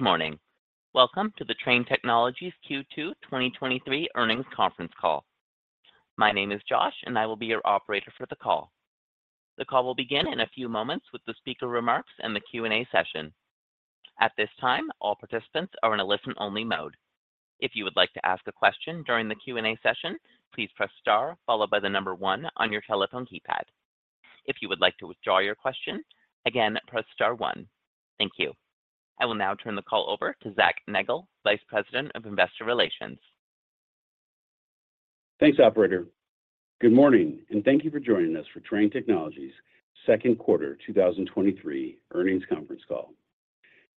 Good morning. Welcome to the Trane Technologies Q2 2023 earnings conference call. My name is Josh, and I will be your operator for the call. The call will begin in a few moments with the speaker remarks and the Q&A session. At this time, all participants are in a listen-only mode. If you would like to ask a question during the Q&A session, please press star followed by the number one on your telephone keypad. If you would like to withdraw your question, again, press star one. Thank you. I will now turn the call over to Zac Nagle, Vice President of Investor Relations. Thanks, operator. Good morning, and thank you for joining us for Trane Technologies' second quarter 2023 earnings conference call.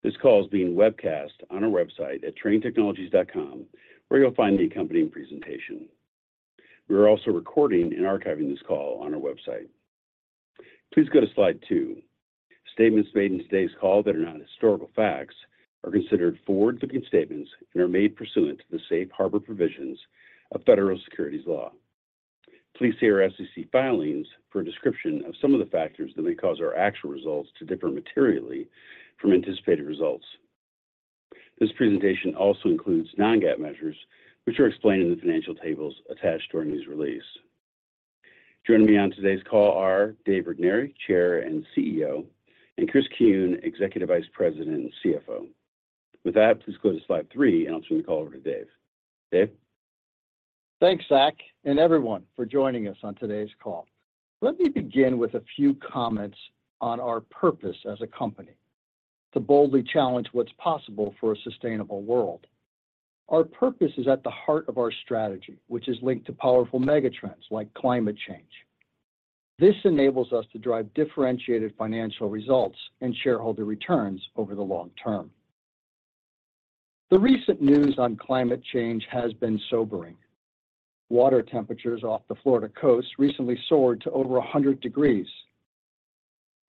This call is being webcast on our website at tranetechnologies.com, where you'll find the accompanying presentation. We are also recording and archiving this call on our website. Please go to slide two. Statements made in today's call that are not historical facts are considered forward-looking statements and are made pursuant to the Safe Harbor provisions of federal securities law. Please see our SEC filings for a description of some of the factors that may cause our actual results to differ materially from anticipated results. This presentation also includes non-GAAP measures, which are explained in the financial tables attached to earnings release. Joining me on today's call are Dave Regnery, Chair and CEO, and Chris Kuehn, Executive Vice President and CFO. With that, please go to slide three, and I'll turn the call over to Dave. Dave? Thanks, Zac, everyone for joining us on today's call. Let me begin with a few comments on our purpose as a company: to boldly challenge what's possible for a sustainable world. Our purpose is at the heart of our strategy, which is linked to powerful megatrends like climate change. This enables us to drive differentiated financial results and shareholder returns over the long term. The recent news on climate change has been sobering. Water temperatures off the Florida coast recently soared to over 100 degrees.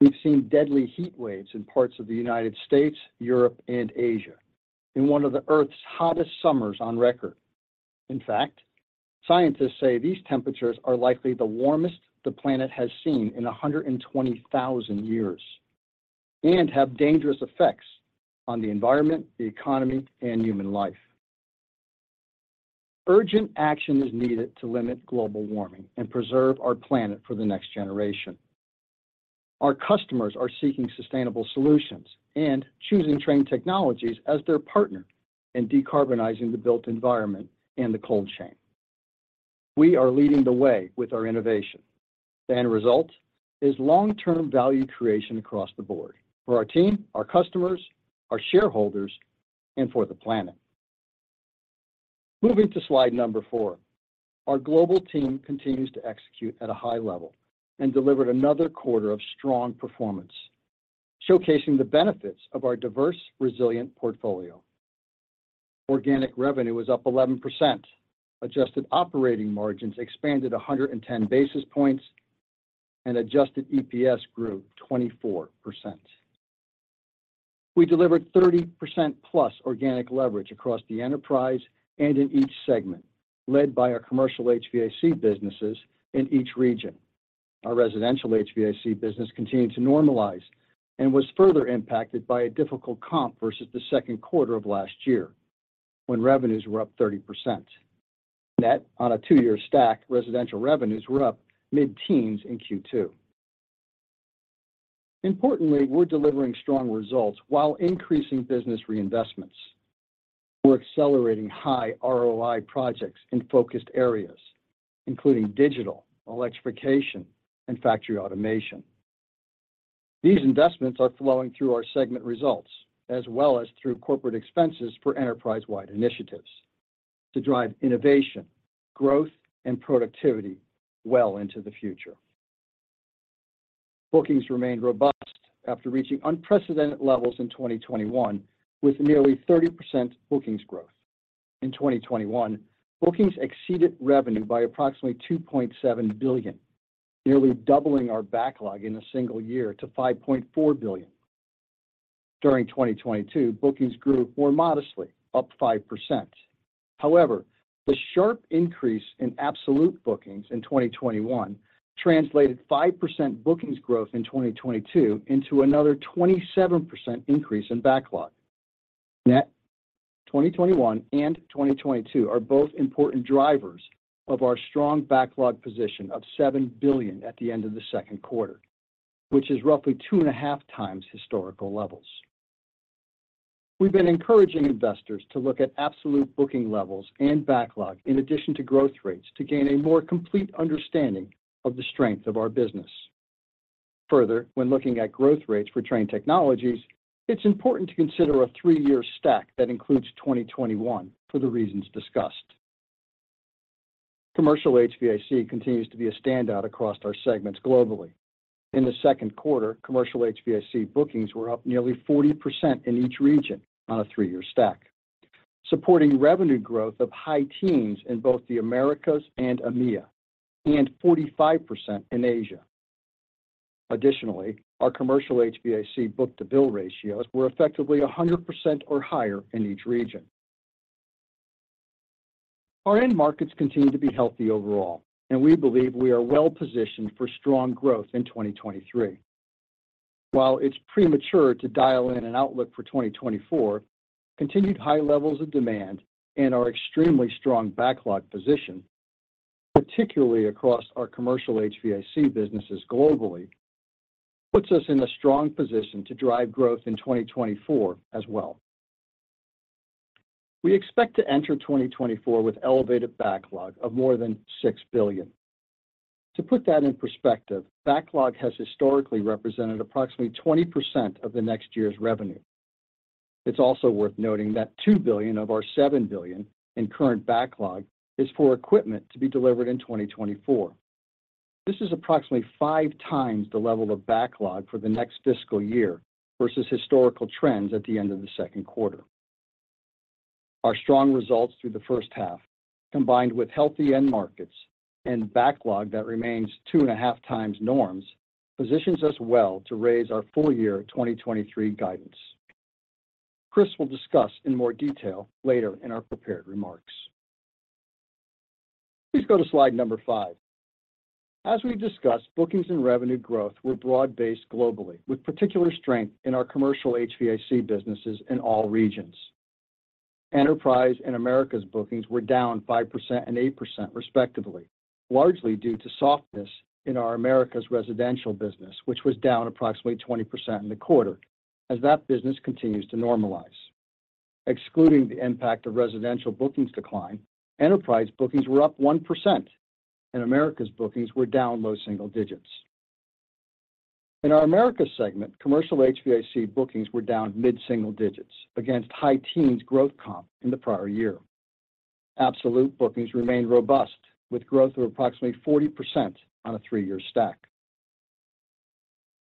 We've seen deadly heat waves in parts of the United States, Europe, and Asia, in one of the Earth's hottest summers on record. In fact, scientists say these temperatures are likely the warmest the planet has seen in 120,000 years and have dangerous effects on the environment, the economy, and human life. Urgent action is needed to limit global warming and preserve our planet for the next generation. Our customers are seeking sustainable solutions and choosing Trane Technologies as their partner in decarbonizing the built environment and the cold chain. We are leading the way with our innovation. The end result is long-term value creation across the board for our team, our customers, our shareholders, and for the planet. Moving to slide number four. Our global team continues to execute at a high level and delivered another quarter of strong performance, showcasing the benefits of our diverse, resilient portfolio. Organic revenue was up 11%, adjusted operating margins expanded 110 basis points. Adjusted EPS grew 24%. We delivered 30%+ organic leverage across the enterprise and in each segment, led by our commercial HVAC businesses in each region. Our residential HVAC business continued to normalize and was further impacted by a difficult comp versus the second quarter of last year, when revenues were up 30%. Net on a two-year stack, residential revenues were up mid-teens in Q2. Importantly, we're delivering strong results while increasing business reinvestments. We're accelerating high ROI projects in focused areas, including digital, electrification, and factory automation. These investments are flowing through our segment results, as well as through corporate expenses for enterprise-wide initiatives to drive innovation, growth, and productivity well into the future. Bookings remained robust after reaching unprecedented levels in 2021, with nearly 30% bookings growth. In 2021, bookings exceeded revenue by approximately $2.7 billion, nearly doubling our backlog in a single year to $5.4 billion. During 2022, bookings grew more modestly, up 5%. The sharp increase in absolute bookings in 2021 translated 5% bookings growth in 2022 into another 27% increase in backlog. Net, 2021 and 2022 are both important drivers of our strong backlog position of $7 billion at the end of the second quarter, which is roughly 2.5x historical levels. We've been encouraging investors to look at absolute booking levels and backlog in addition to growth rates to gain a more complete understanding of the strength of our business. When looking at growth rates for Trane Technologies, it's important to consider a three-year stack that includes 2021 for the reasons discussed. Commercial HVAC continues to be a standout across our segments globally. In the second quarter, commercial HVAC bookings were up nearly 40% in each region on a three-year stack, supporting revenue growth of high teens in both the Americas and EMEA, and 45% in Asia. Additionally, our commercial HVAC book-to-bill ratios were effectively 100% or higher in each region. Our end markets continue to be healthy overall, and we believe we are well positioned for strong growth in 2023. While it's premature to dial in an outlook for 2024, continued high levels of demand and our extremely strong backlog position, particularly across our commercial HVAC businesses globally, puts us in a strong position to drive growth in 2024 as well. We expect to enter 2024 with elevated backlog of more than $6 billion. To put that in perspective, backlog has historically represented approximately 20% of the next year's revenue. It's also worth noting that $2 billion of our $7 billion in current backlog is for equipment to be delivered in 2024. This is approximately 5x the level of backlog for the next fiscal year versus historical trends at the end of the second quarter. Our strong results through the first half, combined with healthy end markets and backlog that remains 2.5x norms, positions us well to raise our full year 2023 guidance. Chris will discuss in more detail later in our prepared remarks. Please go to slide number five. As we discussed, bookings and revenue growth were broad-based globally, with particular strength in our commercial HVAC businesses in all regions. Enterprise and Americas bookings were down 5% and 8%, respectively, largely due to softness in our Americas residential business, which was down approximately 20% in the quarter as that business continues to normalize. Excluding the impact of residential bookings decline, enterprise bookings were up 1%, and Americas bookings were down low single digits. In our Americas segment, commercial HVAC bookings were down mid-single digits against high teens growth comp in the prior year. Absolute bookings remained robust, with growth of approximately 40% on a three-year stack.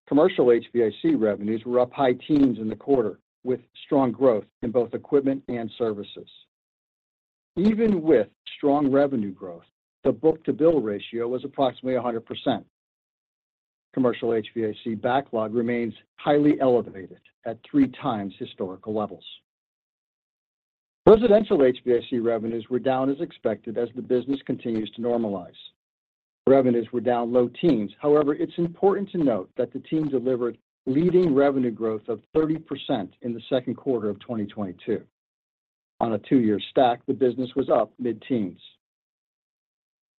Commercial HVAC revenues were up high teens in the quarter, with strong growth in both equipment and services. Even with strong revenue growth, the book-to-bill ratio was approximately 100%. Commercial HVAC backlog remains highly elevated at 3x historical levels. Residential HVAC revenues were down as expected as the business continues to normalize. Revenues were down low teens. However, it's important to note that the team delivered leading revenue growth of 30% in the second quarter of 2022. On a two-year stack, the business was up mid-teens.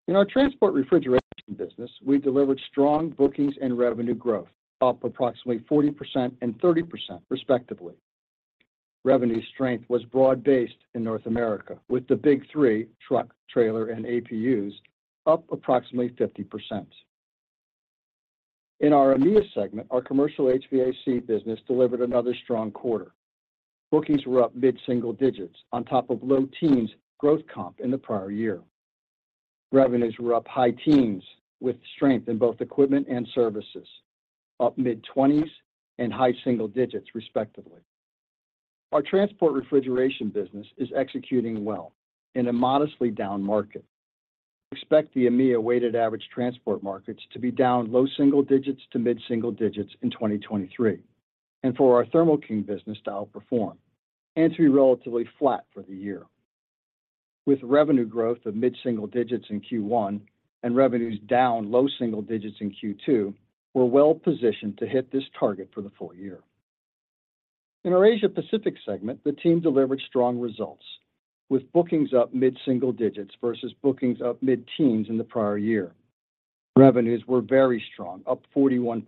In our transport refrigeration business, we delivered strong bookings and revenue growth, up approximately 40% and 30% respectively. Revenue strength was broad-based in North America, with the big three: truck, trailer, and APUs, up approximately 50%. In our EMEA segment, our commercial HVAC business delivered another strong quarter. Bookings were up mid-single digits on top of low teens growth comp in the prior year. Revenues were up high teens, with strength in both equipment and services, up mid-twenties and high single digits, respectively. Our transport refrigeration business is executing well in a modestly down market. Expect the EMEA weighted average transport markets to be down low single digits to mid-single digits in 2023, and for our Thermo King business to outperform and to be relatively flat for the year. With revenue growth of mid-single digits in Q1 and revenues down low single digits in Q2, we're well positioned to hit this target for the full year. In our Asia Pacific segment, the team delivered strong results, with bookings up mid-single digits versus bookings up mid-teens in the prior year. Revenues were very strong, up 41%.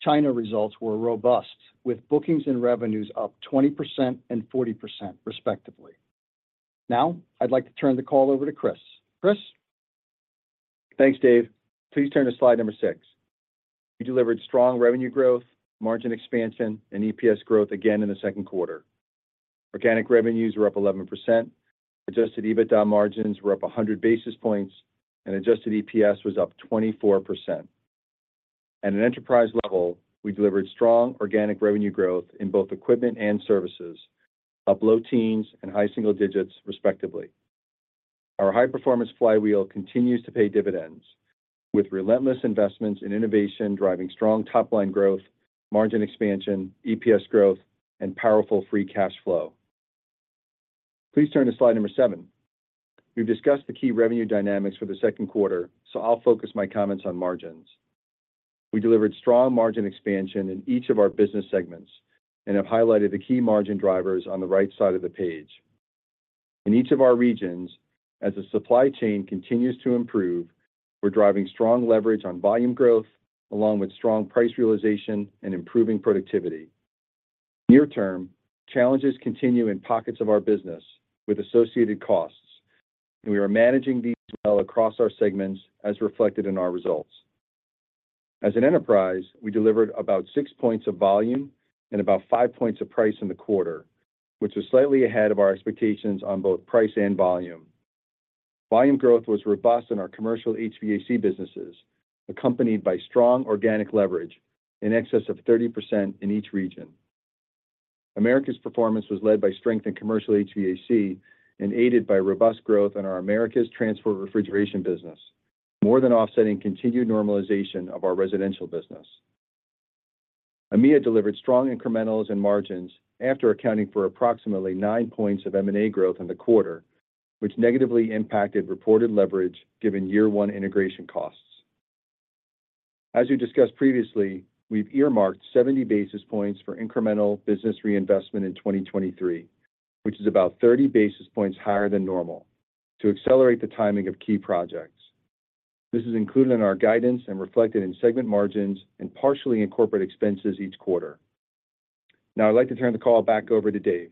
China results were robust, with bookings and revenues up 20% and 40%, respectively. Now, I'd like to turn the call over to Chris. Chris? Thanks, Dave. Please turn to slide number six. We delivered strong revenue growth, margin expansion, and EPS growth again in the second quarter. Organic revenues were up 11%, adjusted EBITDA margins were up 100 basis points, and adjusted EPS was up 24%. At an enterprise level, we delivered strong organic revenue growth in both equipment and services, up low teens and high single digits, respectively. Our high-performance flywheel continues to pay dividends, with relentless investments in innovation driving strong top-line growth, margin expansion, EPS growth, and powerful free cash flow. Please turn to slide number seven. We've discussed the key revenue dynamics for the second quarter, so I'll focus my comments on margins. We delivered strong margin expansion in each of our business segments and have highlighted the key margin drivers on the right side of the page. In each of our regions, as the supply chain continues to improve, we're driving strong leverage on volume growth, along with strong price realization and improving productivity. Near term, challenges continue in pockets of our business with associated costs, and we are managing these well across our segments, as reflected in our results. As an enterprise, we delivered about 6 points of volume and about 5 points of price in the quarter, which was slightly ahead of our expectations on both price and volume. Volume growth was robust in our commercial HVAC businesses, accompanied by strong organic leverage in excess of 30% in each region. Americas' performance was led by strength in commercial HVAC and aided by robust growth in our Americas transport refrigeration business, more than offsetting continued normalization of our residential business. EMEA delivered strong incrementals and margins after accounting for approximately 9 points of M&A growth in the quarter, which negatively impacted reported leverage given year one integration costs. As we discussed previously, we've earmarked 70 basis points for incremental business reinvestment in 2023, which is about 30 basis points higher than normal, to accelerate the timing of key projects. This is included in our guidance and reflected in segment margins and partially in corporate expenses each quarter. Now I'd like to turn the call back over to Dave.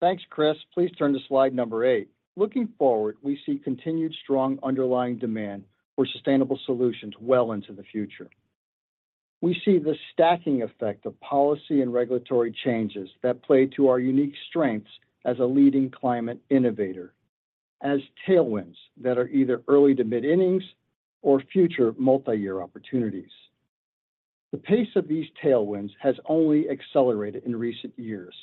Thanks, Chris. Please turn to slide number eight. Looking forward, we see continued strong underlying demand for sustainable solutions well into the future. We see the stacking effect of policy and regulatory changes that play to our unique strengths as a leading climate innovator, as tailwinds that are either early to mid-innings or future multi-year opportunities. The pace of these tailwinds has only accelerated in recent years,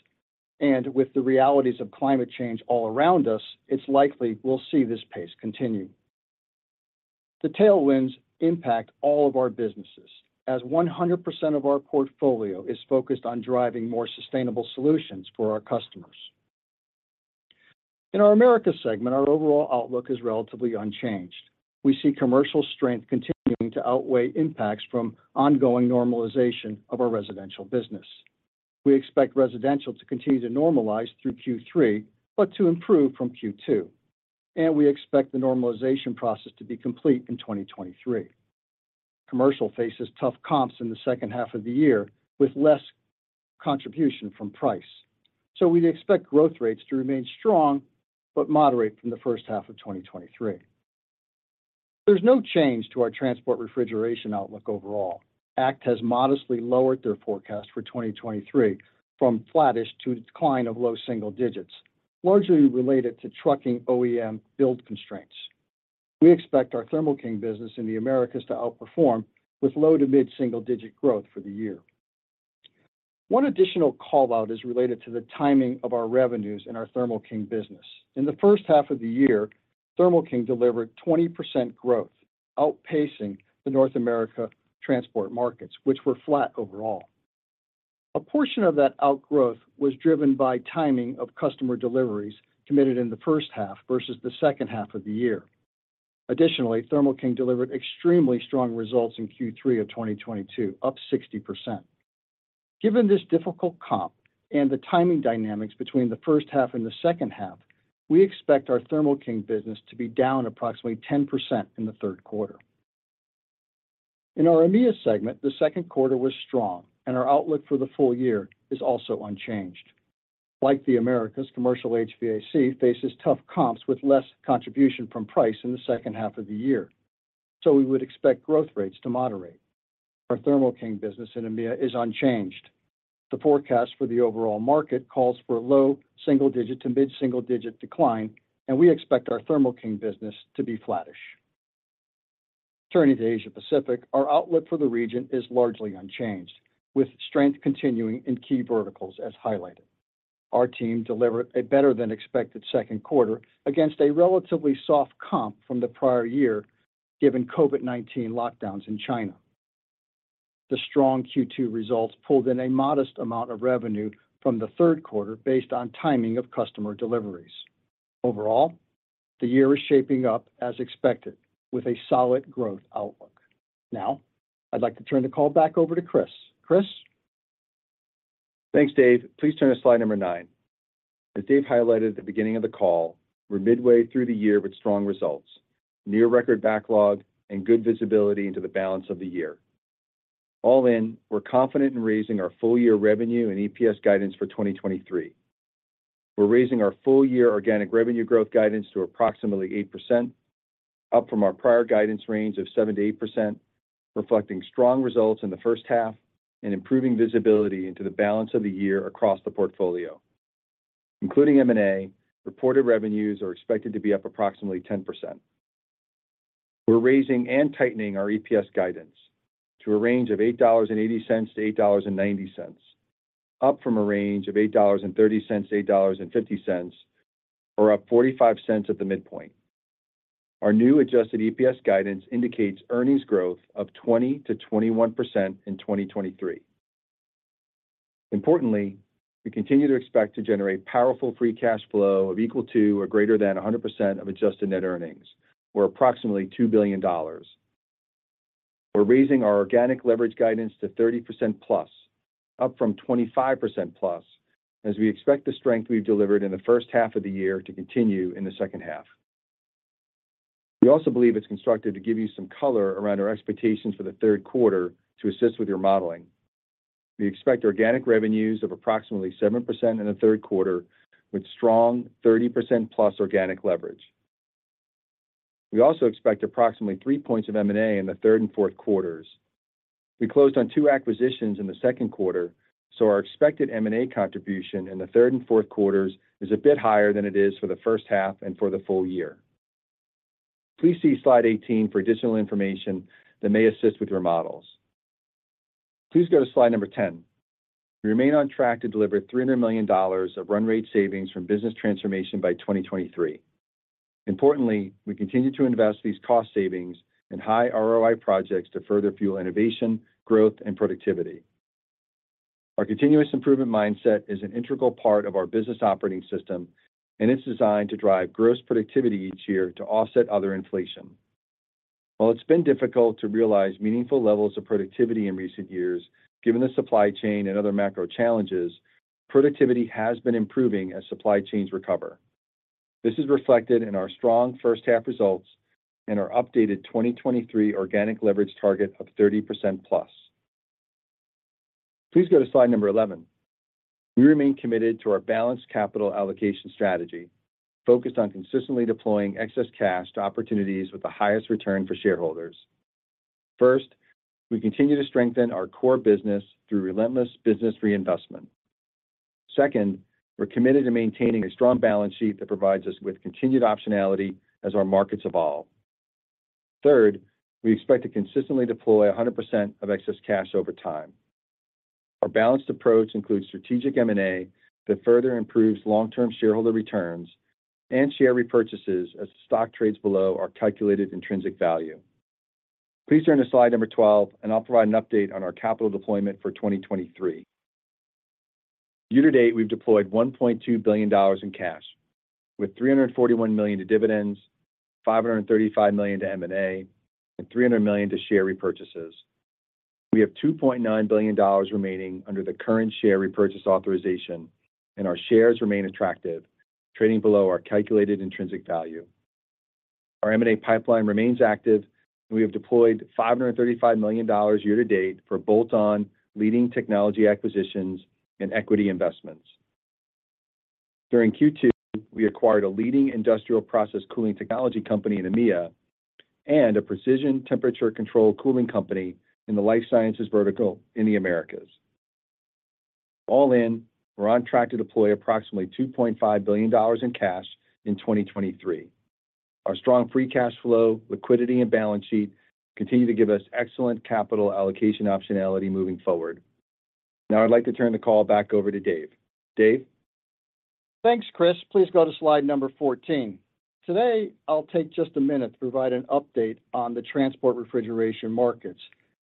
and with the realities of climate change all around us, it's likely we'll see this pace continue. The tailwinds impact all of our businesses, as 100% of our portfolio is focused on driving more sustainable solutions for our customers. In our Americas segment, our overall outlook is relatively unchanged. We see commercial strength continuing to outweigh impacts from ongoing normalization of our residential business. We expect residential to continue to normalize through Q3, but to improve from Q2, and we expect the normalization process to be complete in 2023. Commercial faces tough comps in the second half of the year, with less contribution from price. We'd expect growth rates to remain strong, but moderate from the first half of 2023. There's no change to our transport refrigeration outlook overall. ACT has modestly lowered their forecast for 2023 from flattish to a decline of low single digits, largely related to trucking OEM build constraints. We expect our Thermo King business in the Americas to outperform, with low to mid-single-digit growth for the year. One additional call-out is related to the timing of our revenues in our Thermo King business. In the first half of the year, Thermo King delivered 20% growth, outpacing the North America transport markets, which were flat overall. A portion of that outgrowth was driven by timing of customer deliveries committed in the first half versus the second half of the year. Additionally, Thermo King delivered extremely strong results in Q3 of 2022, up 60%. Given this difficult comp and the timing dynamics between the first half and the second half, we expect our Thermo King business to be down approximately 10% in the third quarter. In our EMEA segment, the second quarter was strong, and our outlook for the full year is also unchanged. Like the Americas, commercial HVAC faces tough comps with less contribution from price in the second half of the year, we would expect growth rates to moderate. Our Thermo King business in EMEA is unchanged. The forecast for the overall market calls for a low single-digit to mid-single-digit decline. We expect our Thermo King business to be flattish. Turning to Asia Pacific, our outlook for the region is largely unchanged, with strength continuing in key verticals as highlighted. Our team delivered a better-than-expected second quarter against a relatively soft comp from the prior year, given COVID-19 lockdowns in China. The strong Q2 results pulled in a modest amount of revenue from the third quarter based on timing of customer deliveries. Overall, the year is shaping up as expected, with a solid growth outlook. Now, I'd like to turn the call back over to Chris. Chris? Thanks, Dave. Please turn to slide number nine. As Dave highlighted at the beginning of the call, we're midway through the year with strong results, near record backlog, and good visibility into the balance of the year. All in, we're confident in raising our full-year revenue and EPS guidance for 2023. We're raising our full-year organic revenue growth guidance to approximately 8%, up from our prior guidance range of 7%-8%, reflecting strong results in the first half and improving visibility into the balance of the year across the portfolio. Including M&A, reported revenues are expected to be up approximately 10%. We're raising and tightening our EPS guidance to a range of $8.80-$8.90, up from a range of $8.30-$8.50, or up $0.45 at the midpoint. Our new adjusted EPS guidance indicates earnings growth of 20%-21% in 2023. Importantly, we continue to expect to generate powerful free cash flow of equal to or greater than 100% of adjusted net earnings, or approximately $2 billion. We're raising our organic leverage guidance to 30%+, up from 25%+, as we expect the strength we've delivered in the first half of the year to continue in the second half. We also believe it's constructive to give you some color around our expectations for the third quarter to assist with your modeling. We expect organic revenues of approximately 7% in the third quarter, with strong 30%+ organic leverage. We also expect approximately 3 points of M&A in the third and fourth quarters. We closed on two acquisitions in the second quarter, so our expected M&A contribution in the third and fourth quarters is a bit higher than it is for the first half and for the full year. Please see slide 18 for additional information that may assist with your models. Please go to slide number 10. We remain on track to deliver $300 million of run rate savings from business transformation by 2023. Importantly, we continue to invest these cost savings in high ROI projects to further fuel innovation, growth, and productivity. Our continuous improvement mindset is an integral part of our business operating system. It's designed to drive gross productivity each year to offset other inflation. While it's been difficult to realize meaningful levels of productivity in recent years, given the supply chain and other macro challenges, productivity has been improving as supply chains recover. This is reflected in our strong first half results and our updated 2023 organic leverage target of 30%+. Please go to slide number 11. We remain committed to our balanced capital allocation strategy, focused on consistently deploying excess cash to opportunities with the highest return for shareholders. First, we continue to strengthen our core business through relentless business reinvestment. Second, we're committed to maintaining a strong balance sheet that provides us with continued optionality as our markets evolve. Third, we expect to consistently deploy 100% of excess cash over time. Our balanced approach includes strategic M&A that further improves long-term shareholder returns and share repurchases as stock trades below our calculated intrinsic value. Please turn to slide 12. I'll provide an update on our capital deployment for 2023. Year-to-date, we've deployed $1.2 billion in cash, with $341 million to dividends, $535 million to M&A, and $300 million to share repurchases. We have $2.9 billion remaining under the current share repurchase authorization, and our shares remain attractive, trading below our calculated intrinsic value. Our M&A pipeline remains active, and we have deployed $535 million year to date for bolt-on leading technology acquisitions and equity investments. During Q2, we acquired a leading industrial process cooling technology company in EMEA and a precision temperature control cooling company in the life sciences vertical in the Americas. All in, we're on track to deploy approximately $2.5 billion in cash in 2023. Our strong free cash flow, liquidity, and balance sheet continue to give us excellent capital allocation optionality moving forward. I'd like to turn the call back over to Dave. Dave? Thanks, Chris. Please go to slide number 14. Today, I'll take just a minute to provide an update on the transport refrigeration markets.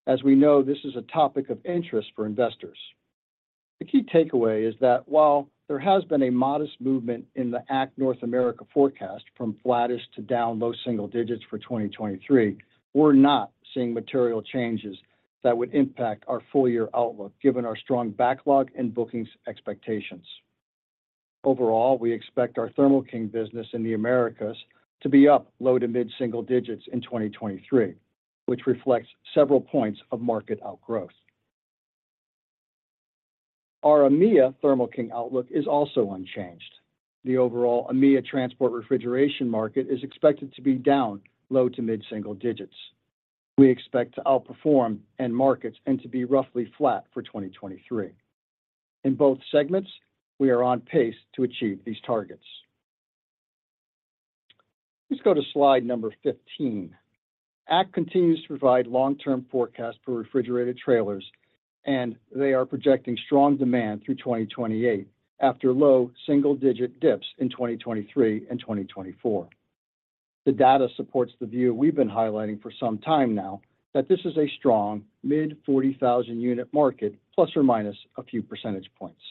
As we know, this is a topic of interest for investors. The key takeaway is that while there has been a modest movement in the ACT North America forecast from flattish to down low single digits for 2023, we're not seeing material changes that would impact our full-year outlook, given our strong backlog and bookings expectations. Overall, we expect our Thermo King business in the Americas to be up low to mid single digits in 2023, which reflects several points of market outgrowth. Our EMEA Thermo King outlook is also unchanged. The overall EMEA transport refrigeration market is expected to be down low to mid single digits. We expect to outperform end markets and to be roughly flat for 2023. In both segments, we are on pace to achieve these targets. Please go to slide number 15. ACT continues to provide long-term forecast for refrigerated trailers, and they are projecting strong demand through 2028, after low single-digit dips in 2023 and 2024. The data supports the view we've been highlighting for some time now, that this is a strong mid 40,000 unit market ± a few percentage points.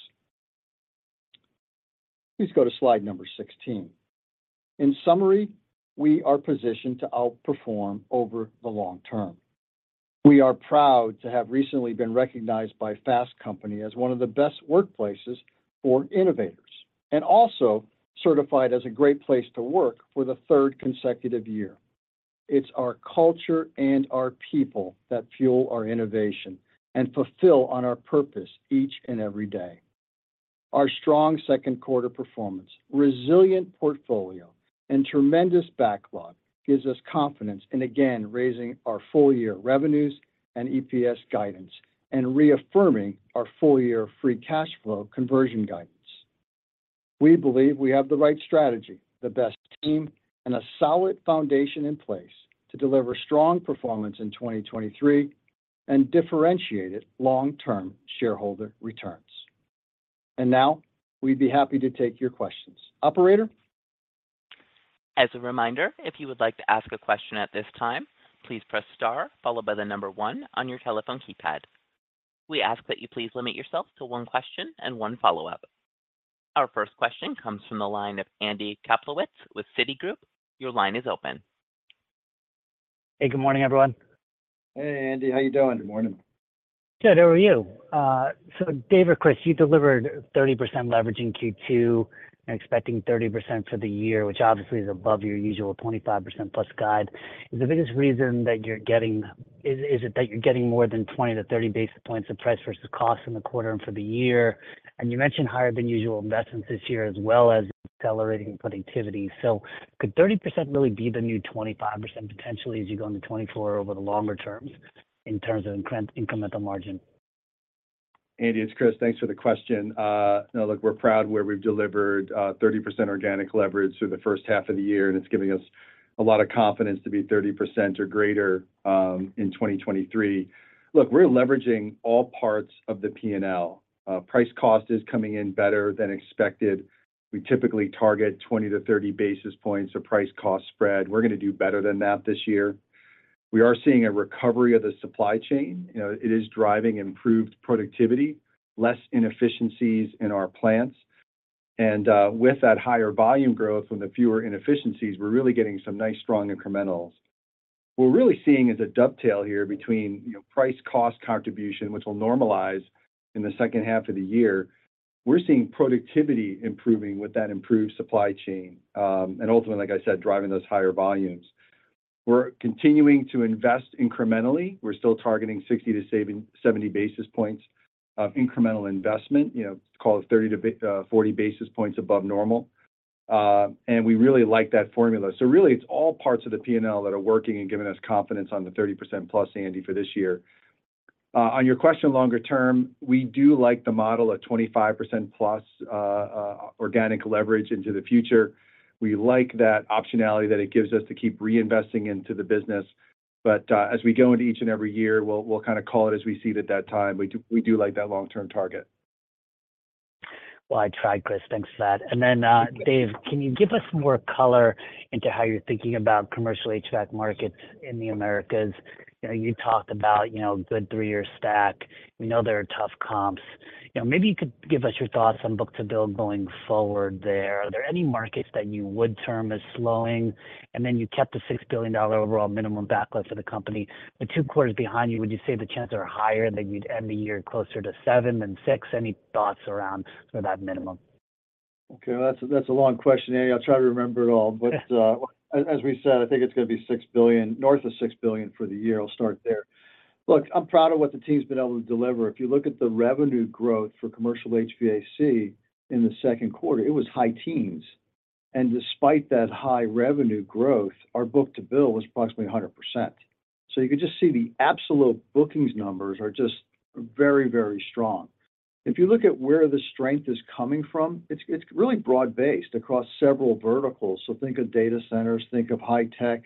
Please go to slide number 16. In summary, we are positioned to outperform over the long term. We are proud to have recently been recognized by Fast Company as one of the best workplaces for innovators, and also certified as a Great Place To Work for the third consecutive year. It's our culture and our people that fuel our innovation and fulfill on our purpose each and every day. Our strong second quarter performance, resilient portfolio, and tremendous backlog gives us confidence in again raising our full-year revenues and EPS guidance and reaffirming our full-year free cash flow conversion guidance. We believe we have the right strategy, the best team, and a solid foundation in place to deliver strong performance in 2023 and differentiated long-term shareholder returns. Now, we'd be happy to take your questions. Operator? As a reminder, if you would like to ask a question at this time, please press star followed by 1 on your telephone keypad. We ask that you please limit yourself to one question and one follow-up. Our first question comes from the line of Andy Kaplowitz with Citigroup. Your line is open. Hey, good morning, everyone. Hey, Andy. How you doing? Good morning. Good, how are you? Dave or Chris, you delivered 30% leverage in Q2 and expecting 30% for the year, which obviously is above your usual 25%+ guide. Is the biggest reason that you're getting... Is it that you're getting more than 20-30 basis points of price versus cost in the quarter and for the year? You mentioned higher than usual investments this year, as well as accelerating productivity. Could 30% really be the new 25% potentially as you go into 2024 over the longer term in terms of incremental margin? Andy, it's Chris. Thanks for the question. Now, look, we're proud where we've delivered 30% organic leverage through the first half of the year, and it's giving us a lot of confidence to be 30% or greater in 2023. Look, we're leveraging all parts of the P&L. Price cost is coming in better than expected. We typically target 20-30 basis points, a price-cost spread. We're going to do better than that this year. We are seeing a recovery of the supply chain. You know, it is driving improved productivity, less inefficiencies in our plants, and with that higher volume growth and the fewer inefficiencies, we're really getting some nice, strong incrementals. What we're really seeing is a dovetail here between, you know, price-cost contribution, which will normalize in the second half of the year. We're seeing productivity improving with that improved supply chain. And ultimately, like I said, driving those higher volumes. We're continuing to invest incrementally. We're still targeting 60-70 basis points of incremental investment, you know, call it 30-40 basis points above normal. We really like that formula. Really, it's all parts of the P&L that are working and giving us confidence on the 30%+, Andy, for this year. On your question, longer term, we do like the model at 25%+, organic leverage into the future. We like that optionality that it gives us to keep reinvesting into the business. As we go into each and every year, we'll, we'll kind of call it as we see it at that time. We do, we do like that long-term target. Well, I tried, Chris. Thanks for that. Thank you. Then, Dave, can you give us some more color into how you're thinking about commercial HVAC markets in the Americas? You know, you talked about, you know, good three-year stack. We know there are tough comps. You know, maybe you could give us your thoughts on book-to-bill going forward there. Are there any markets that you would term as slowing? Then you kept the $6 billion overall minimum backlog for the company. The two quarters behind you, would you say the chances are higher that you'd end the year closer to $7 billion than $6 billion? Any thoughts around sort of that minimum? Okay, that's a, that's a long question, Andy. I'll try to remember it all. As, as we said, I think it's going to be $6 billion, north of $6 billion for the year. I'll start there. Look, I'm proud of what the team's been able to deliver. If you look at the revenue growth for commercial HVAC in the second quarter, it was high teens, and despite that high revenue growth, our book-to-bill was approximately 100%. You can just see the absolute bookings numbers are just very, very strong. If you look at where the strength is coming from, it's, it's really broad-based across several verticals. Think of data centers, think of high tech,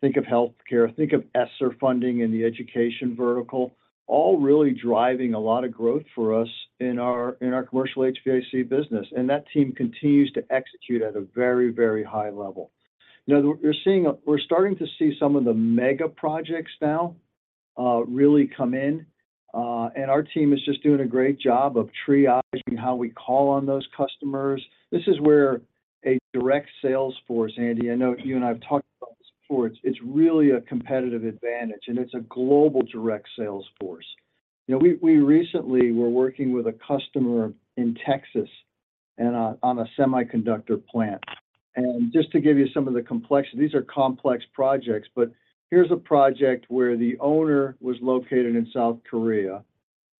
think of healthcare, think of ESSER funding in the education vertical, all really driving a lot of growth for us in our commercial HVAC business, and that team continues to execute at a very, very high level. Now, we're seeing we're starting to see some of the mega projects now, really come in, and our team is just doing a great job of triaging how we call on those customers. This is where a direct sales force, Andy, I know you and I have talked about this before, it's, it's really a competitive advantage, and it's a global direct sales force. You know, we, we recently were working with a customer in Texas and, on a semiconductor plant. Just to give you some of the complexity, these are complex projects, but here's a project where the owner was located in South Korea.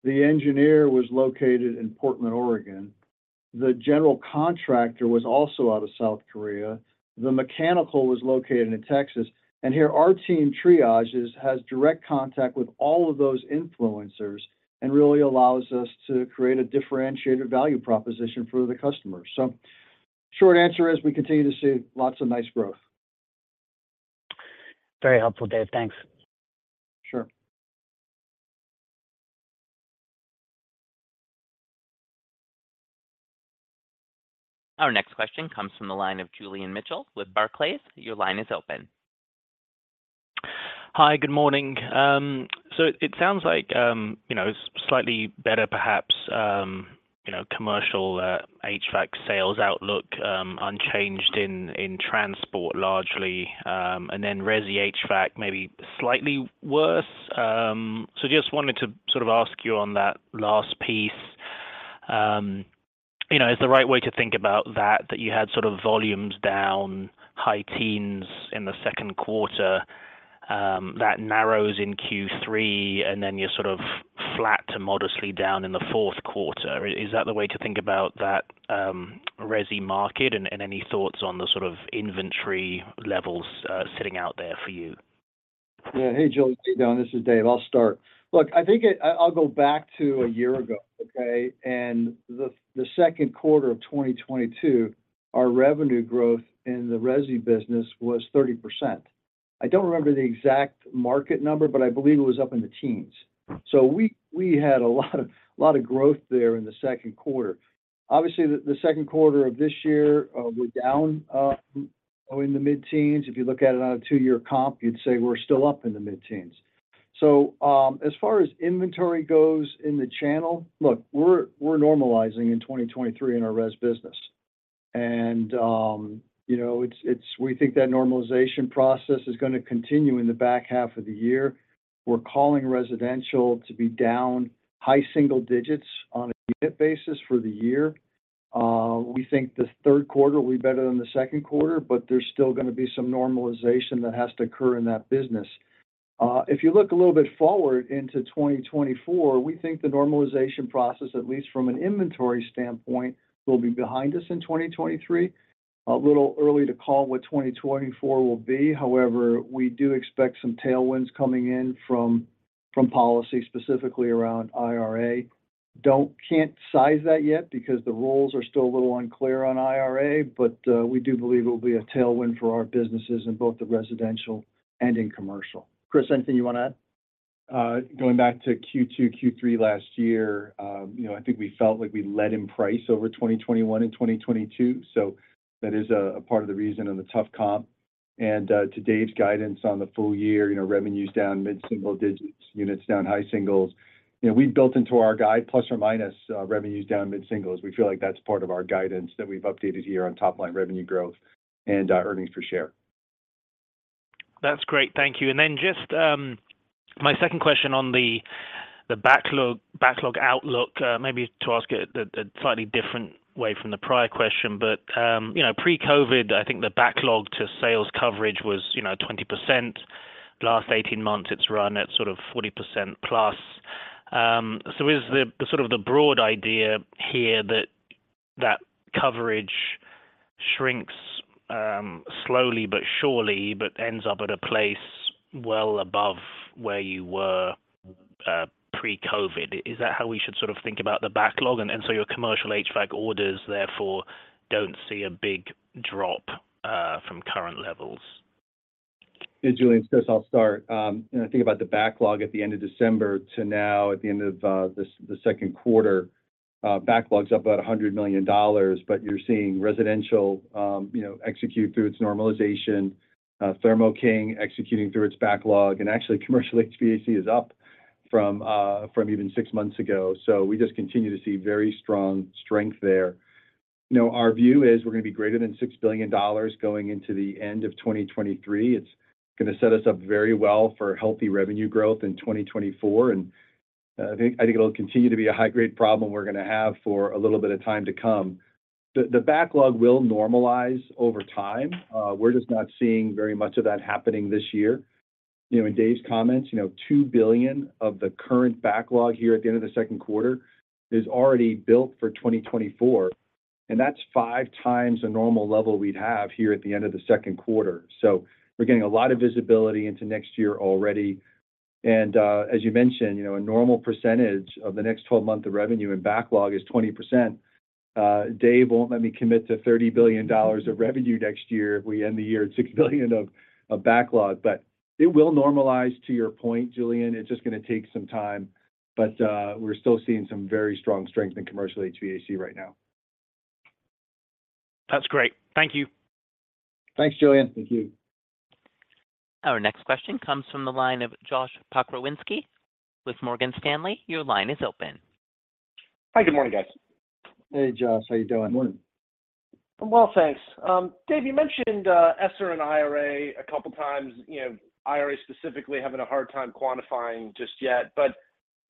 The engineer was located in Portland, Oregon. The general contractor was also out of South Korea. The mechanical was located in Texas, and here our team triages, has direct contact with all of those influencers and really allows us to create a differentiated value proposition for the customer. Short answer is we continue to see lots of nice growth. Very helpful, Dave. Thanks. Sure. Our next question comes from the line of Julian Mitchell with Barclays. Your line is open. Hi, good morning. It sounds like, you know, slightly better, perhaps, you know, commercial HVAC sales outlook, unchanged in, in transport largely, and then resi HVAC, maybe slightly worse. Just wanted to sort of ask you on that last piece, you know, is the right way to think about that, that you had sort of volumes down, high teens in the second quarter, that narrows in Q3, and then you're sort of flat to modestly down in the fourth quarter. Is that the way to think about that, resi market? Any thoughts on the sort of inventory levels, sitting out there for you? Yeah. Hey, Julian, this is Dave. I'll start. Look, I think I, I'll go back to a year ago, okay? The second quarter of 2022, our revenue growth in the resi business was 30%. I don't remember the exact market number, but I believe it was up in the teens. We, we had a lot of, lot of growth there in the second quarter. Obviously, the, the second quarter of this year, we're down in the mid-teens. If you look at it on a two-year comp, you'd say we're still up in the mid-teens. As far as inventory goes in the channel, look, we're, we're normalizing in 2023 in our res business. You know, it's, we think that normalization process is gonna continue in the back half of the year. We're calling residential to be down high single digits on a unit basis for the year. We think the third quarter will be better than the second quarter, but there's still gonna be some normalization that has to occur in that business. If you look a little bit forward into 2024, we think the normalization process, at least from an inventory standpoint, will be behind us in 2023. A little early to call what 2024 will be. However, we do expect some tailwinds coming in from, from policy, specifically around IRA. Can't size that yet because the rules are still a little unclear on IRA, but we do believe it will be a tailwind for our businesses in both the residential and in commercial. Chris, anything you want to add? Going back to Q2, Q3 last year, you know, I think we felt like we led in price over 2021 and 2022, so that is a part of the reason and the tough comp. To Dave's guidance on the full year, you know, revenues down mid-single digits, units down high singles. You know, we've built into our guide, ± revenues down mid-singles. We feel like that's part of our guidance that we've updated here on top-line revenue growth and earnings per share. That's great. Thank you. Then just my second question on the, the backlog, backlog outlook, maybe to ask it a, a slightly different way from the prior question, but, you know, pre-COVID-19, I think the backlog to sales coverage was, you know, 20%. Last 18 months, it's run at sort of 40%+. Is the, the sort of the broad idea here that that coverage shrinks, slowly but surely, but ends up at a place well above where you were, pre-COVID-19? Is that how we should sort of think about the backlog? Your commercial HVAC orders, therefore, don't see a big drop from current levels. Hey, Julian, Chris, I'll start. When I think about the backlog at the end of December to now at the end of this, the second quarter, backlog's up about $100 million. You're seeing residential, you know, execute through its normalization, Thermo King executing through its backlog, and actually, commercial HVAC is up from even six months ago. We just continue to see very strong strength there. You know, our view is we're going to be greater than $6 billion going into the end of 2023. It's going to set us up very well for healthy revenue growth in 2024, I think, I think it'll continue to be a high-grade problem we're going to have for a little bit of time to come. The backlog will normalize over time. We're just not seeing very much of that happening this year. You know, in Dave's comments, you know, $2 billion of the current backlog here at the end of the second quarter is already built for 2024, and that's 5x the normal level we'd have here at the end of the second quarter. We're getting a lot of visibility into next year already. As you mentioned, you know, a normal percentage of the next 12-month of revenue and backlog is 20%. Dave won't let me commit to $30 billion of revenue next year if we end the year at $6 billion of backlog, but it will normalize to your point, Julian. It's just going to take some time, but we're still seeing some very strong strength in commercial HVAC right now. That's great. Thank you. Thanks, Julian. Thank you. Our next question comes from the line of Josh Pokrzywinski with Morgan Stanley. Your line is open. Hi. Good morning, guys. Hey, Josh, how you doing? Morning. I'm well, thanks. Dave, you mentioned, ESSER and IRA a couple times, you know, IRA specifically having a hard time quantifying just yet, but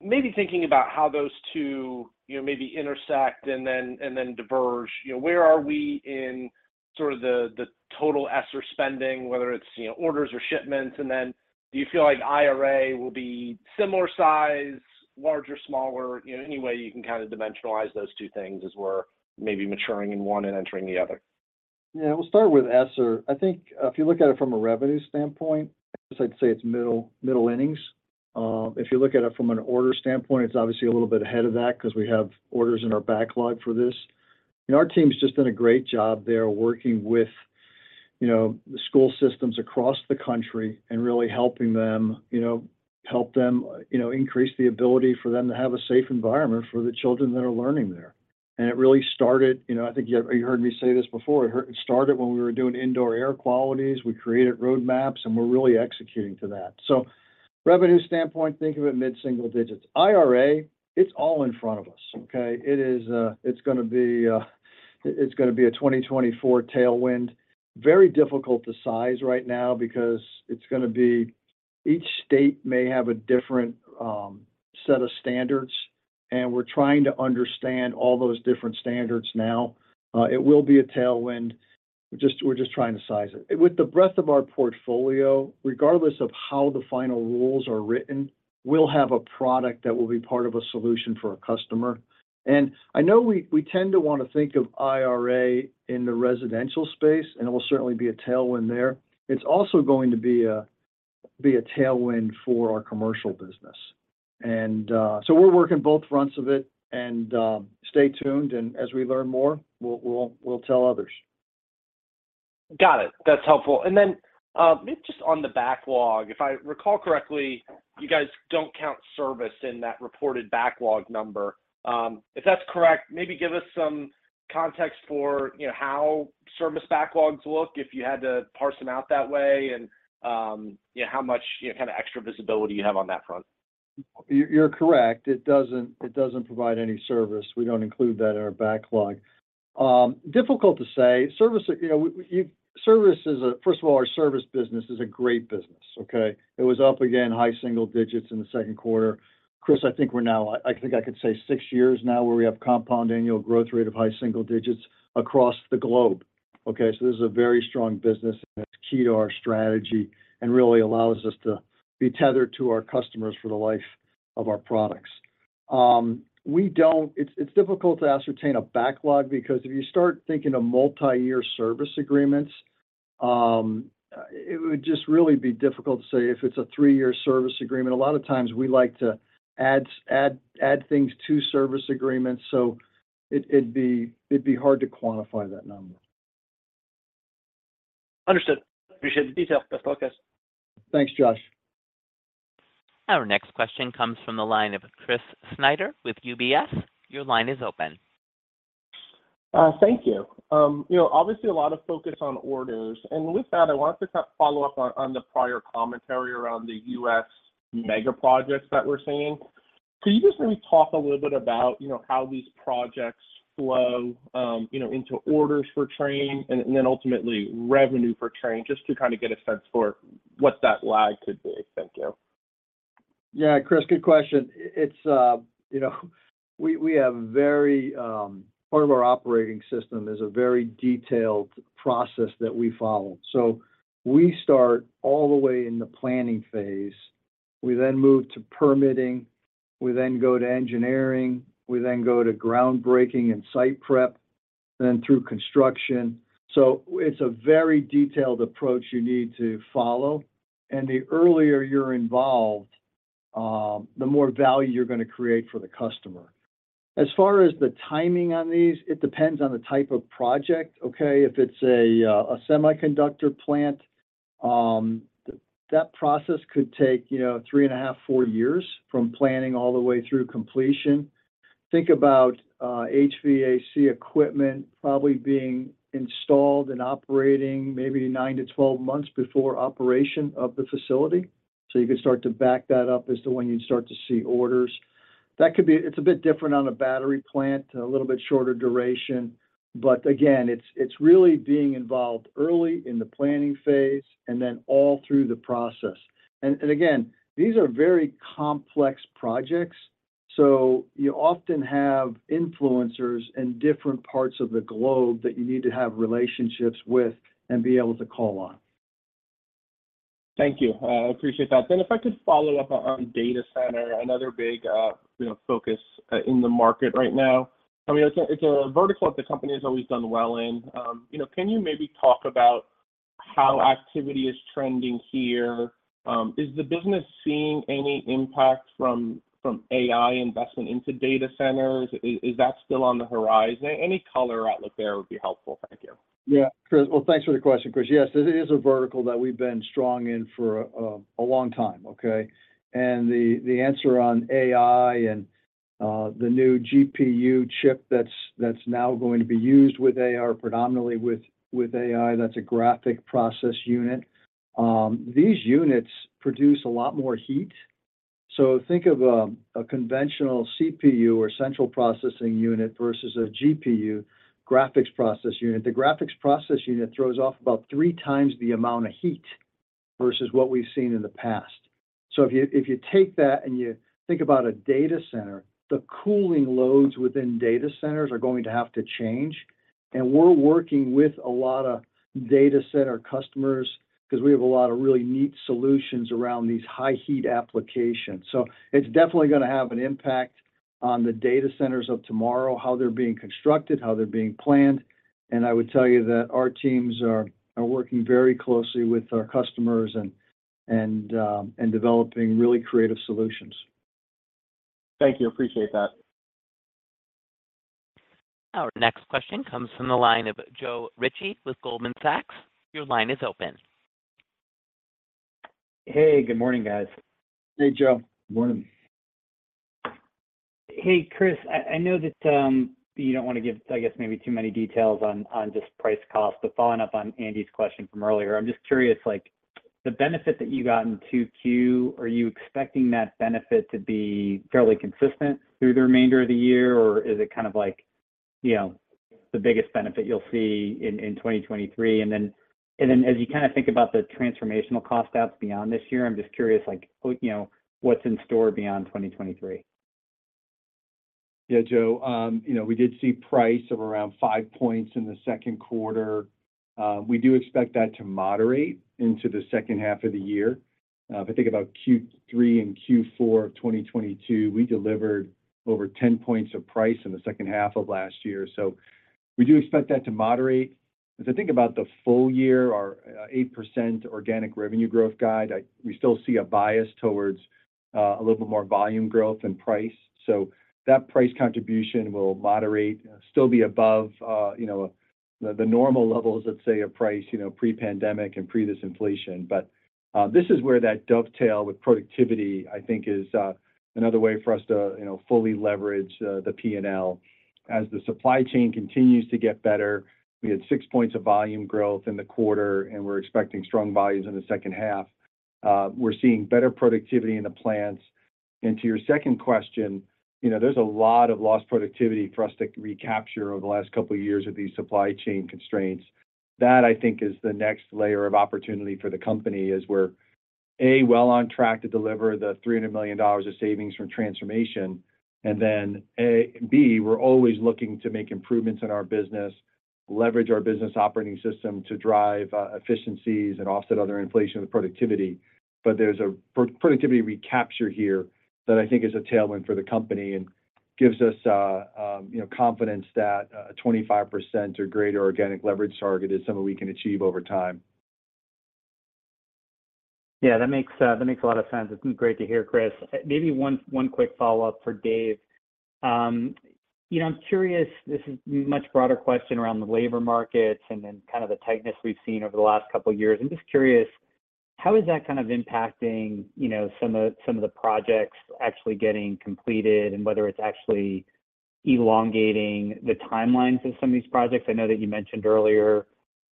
maybe thinking about how those two, you know, maybe intersect and then, and then diverge. You know, where are we in sort of the, the total ESSER spending, whether it's, you know, orders or shipments? Then do you feel like IRA will be similar size, larger, smaller, you know, any way you can kind of dimensionalize those two things as we're maybe maturing in one and entering the other? Yeah. We'll start with ESSER. I think if you look at it from a revenue standpoint, I'd say it's middle, middle innings. If you look at it from an order standpoint, it's obviously a little bit ahead of that 'cause we have orders in our backlog for this. Our team's just done a great job there working with, you know, the school systems across the country and really helping them, you know, help them, you know, increase the ability for them to have a safe environment for the children that are learning there. It really started, you know, I think you, you heard me say this before. It started when we were doing indoor air qualities. We created roadmaps, and we're really executing to that. Revenue standpoint, think of it mid-single digits. IRA, it's all in front of us, okay? It is, it's gonna be, it's gonna be a 2024 tailwind. Very difficult to size right now because it's gonna be. Each state may have a different set of standards. We're trying to understand all those different standards now. It will be a tailwind. We're just, we're just trying to size it. With the breadth of our portfolio, regardless of how the final rules are written, we'll have a product that will be part of a solution for our customer. I know we, we tend to want to think of IRA in the residential space, and it will certainly be a tailwind there. It's also going to be a tailwind for our commercial business. So we're working both fronts of it, stay tuned, as we learn more, we'll, we'll, we'll tell others. Got it. That's helpful. Then, maybe just on the backlog, if I recall correctly, you guys don't count service in that reported backlog number. If that's correct, maybe give us some context for, you know, how service backlogs look if you had to parse them out that way and, you know, how much, you know, kind of extra visibility you have on that front? You, you're correct. It doesn't, it doesn't provide any service. We don't include that in our backlog. Difficult to say. Service, you know, First of all, our service business is a great business, okay? It was up again, high single digits in the second quarter. Chris, I think we're now, I think I could say six years now, where we have compound annual growth rate of high single digits across the globe, okay? This is a very strong business, and it's key to our strategy and really allows us to be tethered to our customers for the life of our products. It's difficult to ascertain a backlog because if you start thinking of multi-year service agreements, it would just really be difficult to say if it's a three-year service agreement. A lot of times we like to add, add, add things to service agreements. It'd, it'd be, it'd be hard to quantify that number. Understood. Appreciate the detail. Thanks, Josh. Our next question comes from the line of Chris Snyder with UBS. Your line is open. Thank you. You know, obviously a lot of focus on orders, and with that, I wanted to kind of follow up on, on the prior commentary around the U.S. mega projects that we're seeing. Could you just maybe talk a little bit about, you know, how these projects flow, you know, into orders for Trane and then ultimately revenue for Trane, just to kind of get a sense for what that lag could be? Thank you. Yeah, Chris, good question. It's, you know, we, we have very, part of our operating system is a very detailed process that we follow. We start all the way in the planning phase. We then move to permitting. We then go to engineering. We then go to groundbreaking and site prep, then through construction. It's a very detailed approach you need to follow, and the earlier you're involved, the more value you're going to create for the customer. As far as the timing on these, it depends on the type of project, okay? If it's a semiconductor plant, that process could take, you know, 3.5, four years from planning all the way through completion. Think about HVAC equipment probably being installed and operating maybe 9-12 months before operation of the facility. You can start to back that up as to when you'd start to see orders. It's a bit different on a battery plant, a little bit shorter duration, but again, it's, it's really being involved early in the planning phase and then all through the process. Again, these are very complex projects, so you often have influencers in different parts of the globe that you need to have relationships with and be able to call on. Thank you. appreciate that. If I could follow up on data center, another big, you know, focus in the market right now. I mean, it's a, it's a vertical that the company has always done well in. you know, can you maybe talk about how activity is trending here? Is the business seeing any impact from AI investment into data centers? Is that still on the horizon? Any color outlook there would be helpful. Thank you. Yeah. Chris, well, thanks for the question, Chris. Yes, this is a vertical that we've been strong in for a long time, okay? The, the answer on AI and the new GPU chip that's, that's now going to be used with AI, predominantly with, with AI, that's a graphic process unit. These units produce a lot more heat. Think of a conventional CPU or central processing unit versus a GPU, graphics process unit. The graphics process unit throws off about 3x the amount of heat versus what we've seen in the past. If you, if you take that and you think about a data center, the cooling loads within data centers are going to have to change, and we're working with a lot of data center customers 'cause we have a lot of really neat solutions around these high heat applications. It's definitely going to have an impact on the data centers of tomorrow, how they're being constructed, how they're being planned. I would tell you that our teams are, are working very closely with our customers and, and, and developing really creative solutions. Thank you. Appreciate that. Our next question comes from the line of Joe Ritchie with Goldman Sachs. Your line is open. Hey, good morning, guys. Hey, Joe. Good morning. Hey, Chris. I, I know that, you don't want to give, I guess, maybe too many details on, on just price cost, but following up on Andy's question from earlier, I'm just curious, like, the benefit that you got in 2Q, are you expecting that benefit to be fairly consistent through the remainder of the year? Or is it kind of like, you know, the biggest benefit you'll see in, in 2023? and then as you kind about the transformational cost outs beyond this year, I'm just curious, like, you know, what's in store beyond 2023? Yeah, Joe, you know, we did see price of around 5 points in the second quarter. We do expect that to moderate into the second half of the year. If I think about Q3 and Q4 of 2022, we delivered over 10 points of price in the second half of last year, so we do expect that to moderate. As I think about the full year, our 8% organic revenue growth guide, we still see a bias towards a little bit more volume growth and price. That price contribution will moderate, still be above, you know, the normal levels, let's say, of price, you know, pre-pandemic and pre this inflation. This is where that dovetail with productivity, I think, is another way for us to, you know, fully leverage the P&L. As the supply chain continues to get better, we had 6 points of volume growth in the quarter, and we're expecting strong volumes in the second half. We're seeing better productivity in the plants. To your second question, you know, there's a lot of lost productivity for us to recapture over the last couple of years of these supply chain constraints. That, I think, is the next layer of opportunity for the company, is we're, A, well on track to deliver the $300 million of savings from transformation, and then, A, B, we're always looking to make improvements in our business, leverage our business operating system to drive efficiencies and offset other inflation with productivity. There's a pro-productivity recapture here that I think is a tailwind for the company gives us, you know, confidence that 25% or greater organic leverage target is something we can achieve over time. Yeah, that makes, that makes a lot of sense. It's great to hear, Chris. Maybe one, one quick follow-up for Dave. You know, I'm curious, this is a much broader question around the labor markets and then kind of the tightness we've seen over the last couple of years. I'm just curious, how is that kind of impacting, you know, some of, some of the projects actually getting completed and whether it's actually elongating the timelines of some of these projects? I know that you mentioned earlier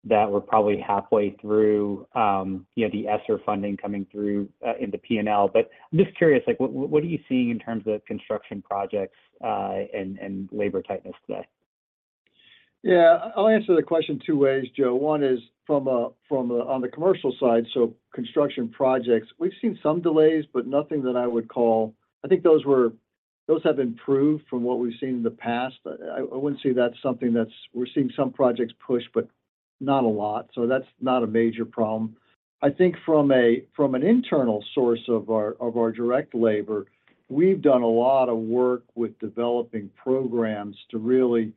that we're probably halfway through, you know, the ESSER funding coming through in the P&L. I'm just curious, like, what, what are you seeing in terms of construction projects, and, and labor tightness today? Yeah. I'll answer the question two ways, Joe. One is from, on the commercial side, so construction projects. We've seen some delays, but nothing that I would call. I think those have improved from what we've seen in the past. I, I wouldn't say that's something that's. We're seeing some projects push, but not a lot, so that's not a major problem. I think from a, from an internal source of our, of our direct labor, we've done a lot of work with developing programs to really,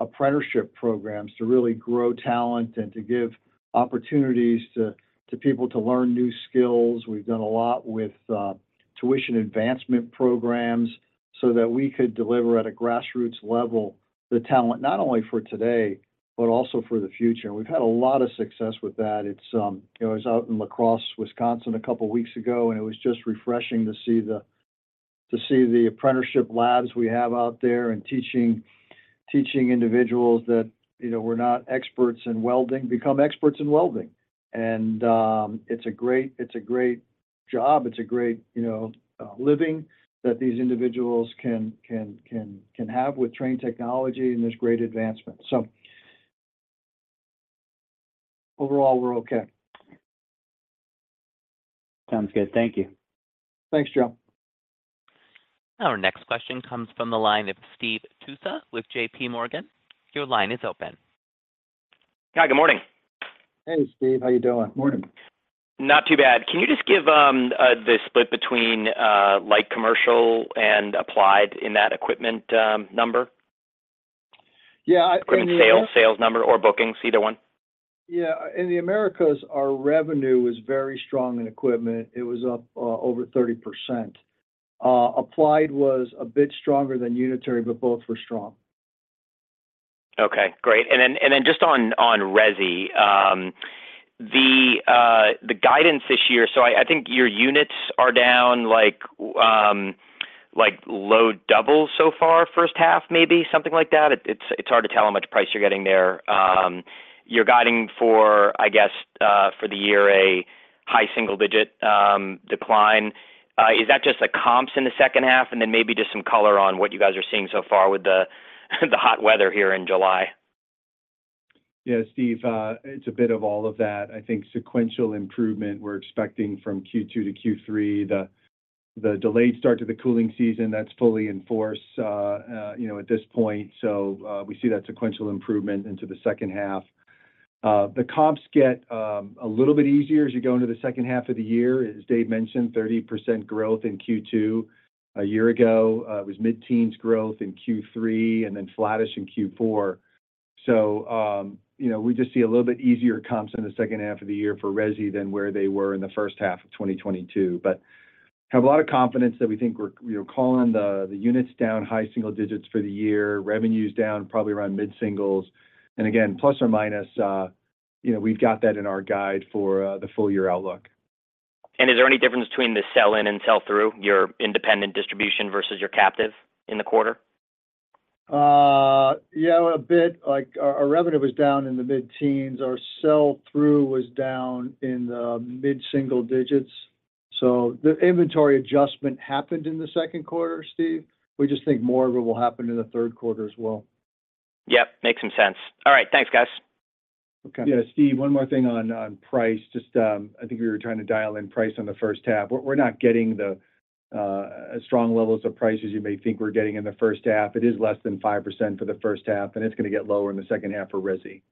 apprenticeship programs, to really grow talent and to give opportunities to, to people to learn new skills. We've done a lot with, tuition advancement programs so that we could deliver at a grassroots level, the talent, not only for today, but also for the future. We've had a lot of success with that. It's, you know, I was out in La Crosse, Wisconsin, a couple of weeks ago, and it was just refreshing to see the, to see the apprenticeship labs we have out there and teaching, teaching individuals that, you know, were not experts in welding, become experts in welding. It's a great, it's a great job, it's a great, you know, living that these individuals can, can, can, can have with Trane Technologies, and there's great advancement. Overall, we're okay. Sounds good. Thank you. Thanks, Joe. Our next question comes from the line of Steve Tusa with JPMorgan. Your line is open. Hi, good morning. Hey, Steve. How you doing? Morning. Not too bad. Can you just give the split between, like, commercial and applied in that equipment, number? Yeah. Equipment sales, sales number or bookings, either one. Yeah. In the Americas, our revenue was very strong in equipment. It was up, over 30%. applied was a bit stronger than unitary, but both were strong. Okay, great. Then, and then just on, on resi, the guidance this year, so I, I think your units are down like, like low double so far, first half, maybe something like that. It's, it's hard to tell how much price you're getting there. You're guiding for, I guess, for the year a high single-digit decline. Is that just the comps in the second half? Then maybe just some color on what you guys are seeing so far with the, the hot weather here in July. Yeah, Steve Tusa, it's a bit of all of that. I think sequential improvement, we're expecting from Q2 to Q3, the, the delayed start to the cooling season, that's fully in force, you know, at this point. We see that sequential improvement into the second half. The comps get a little bit easier as you go into the second half of the year. As Dave Regnery mentioned, 30% growth in Q2. A year ago, it was mid-teens growth in Q3 and then flattish in Q4. You know, we just see a little bit easier comps in the second half of the year for resi than where they were in the first half of 2022. Have a lot of confidence that we think we're, you know, calling the, the units down high single digits for the year. Revenue's down, probably around mid-singles. Again, plus or minus, you know, we've got that in our guide for the full year outlook. Is there any difference between the sell-in and sell-through, your independent distribution versus your captive in the quarter? Yeah, a bit. Like, our, our revenue was down in the mid-teens. Our sell-through was down in the mid-single digits. The inventory adjustment happened in the second quarter, Steve. We just think more of it will happen in the third quarter as well. Yep, makes some sense. All right. Thanks, guys. Okay. Yeah, Steve, one more thing on, on price. Just, I think we were trying to dial in price on the first half. We're, we're not getting the strong levels of prices you may think we're getting in the first half. It is less than 5% for the first half, and it's gonna get lower in the second half for resi.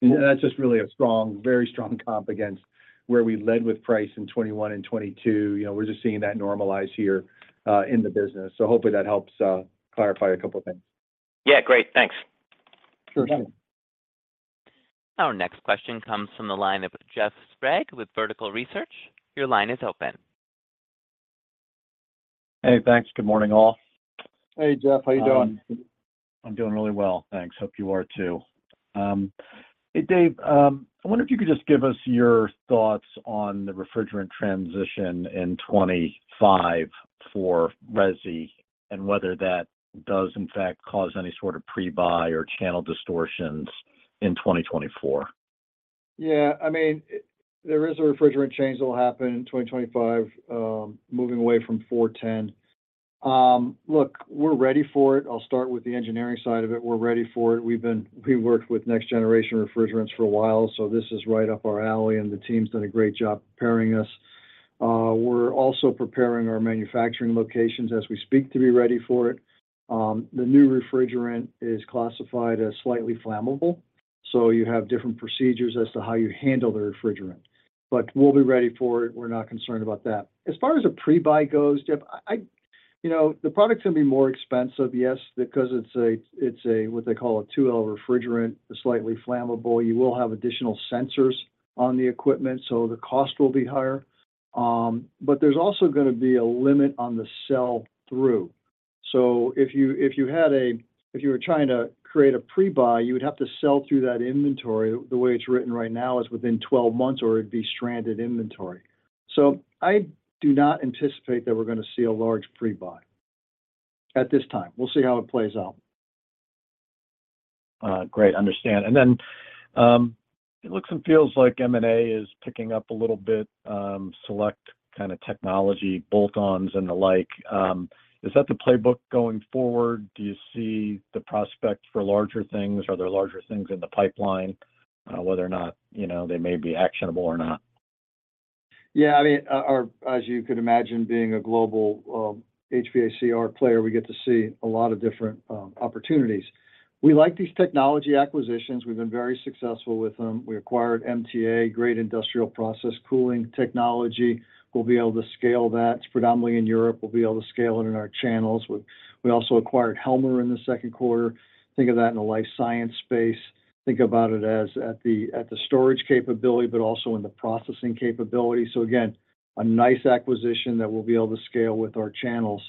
Yeah. That's just really a strong, very strong comp against where we led with price in 2021 and 2022. You know, we're just seeing that normalize here, in the business. Hopefully that helps, clarify a couple of things. Yeah, great. Thanks. Sure. Our next question comes from the line of Jeff Sprague with Vertical Research. Your line is open. Hey, thanks. Good morning, all. Hey, Jeff. How are you doing? I'm doing really well, thanks. Hope you are too. Hey, Dave, I wonder if you could just give us your thoughts on the refrigerant transition in 2025 for resi, and whether that does, in fact, cause any sort of pre-buy or channel distortions in 2024. Yeah, I mean, there is a refrigerant change that will happen in 2025, moving away from 410. Look, we're ready for it. I'll start with the engineering side of it. We're ready for it. We've been We worked with next-generation refrigerants for a while, so this is right up our alley, and the team's done a great job preparing us. We're also preparing our manufacturing locations as we speak, to be ready for it. The new refrigerant is classified as slightly flammable, so you have different procedures as to how you handle the refrigerant. We'll be ready for it. We're not concerned about that. As far as a pre-buy goes, Jeff, you know, the product's gonna be more expensive, yes, because it's a, it's a, what they call a two-L refrigerant, slightly flammable. You will have additional sensors on the equipment, so the cost will be higher. there's also gonna be a limit on the sell-through. If you, if you had if you were trying to create a pre-buy, you would have to sell through that inventory. The way it's written right now is within 12 months, or it'd be stranded inventory. I do not anticipate that we're gonna see a large pre-buy at this time. We'll see how it plays out. Great, understand. Then, it looks and feels like M&A is picking up a little bit, select kind of technology bolt-ons and the like. Is that the playbook going forward? Do you see the prospect for larger things? Are there larger things in the pipeline, whether or not, you know, they may be actionable or not? Yeah, I mean, as you could imagine, being a global HVAC player, we get to see a lot of different opportunities. We like these technology acquisitions. We've been very successful with them. We acquired MTA, great industrial process cooling technology. We'll be able to scale that. It's predominantly in Europe. We'll be able to scale it in our channels. We, we also acquired Helmer in the second quarter. Think of that in the life science space. Think about it as at the, at the storage capability, but also in the processing capability. Again, a nice acquisition that we'll be able to scale with our channels.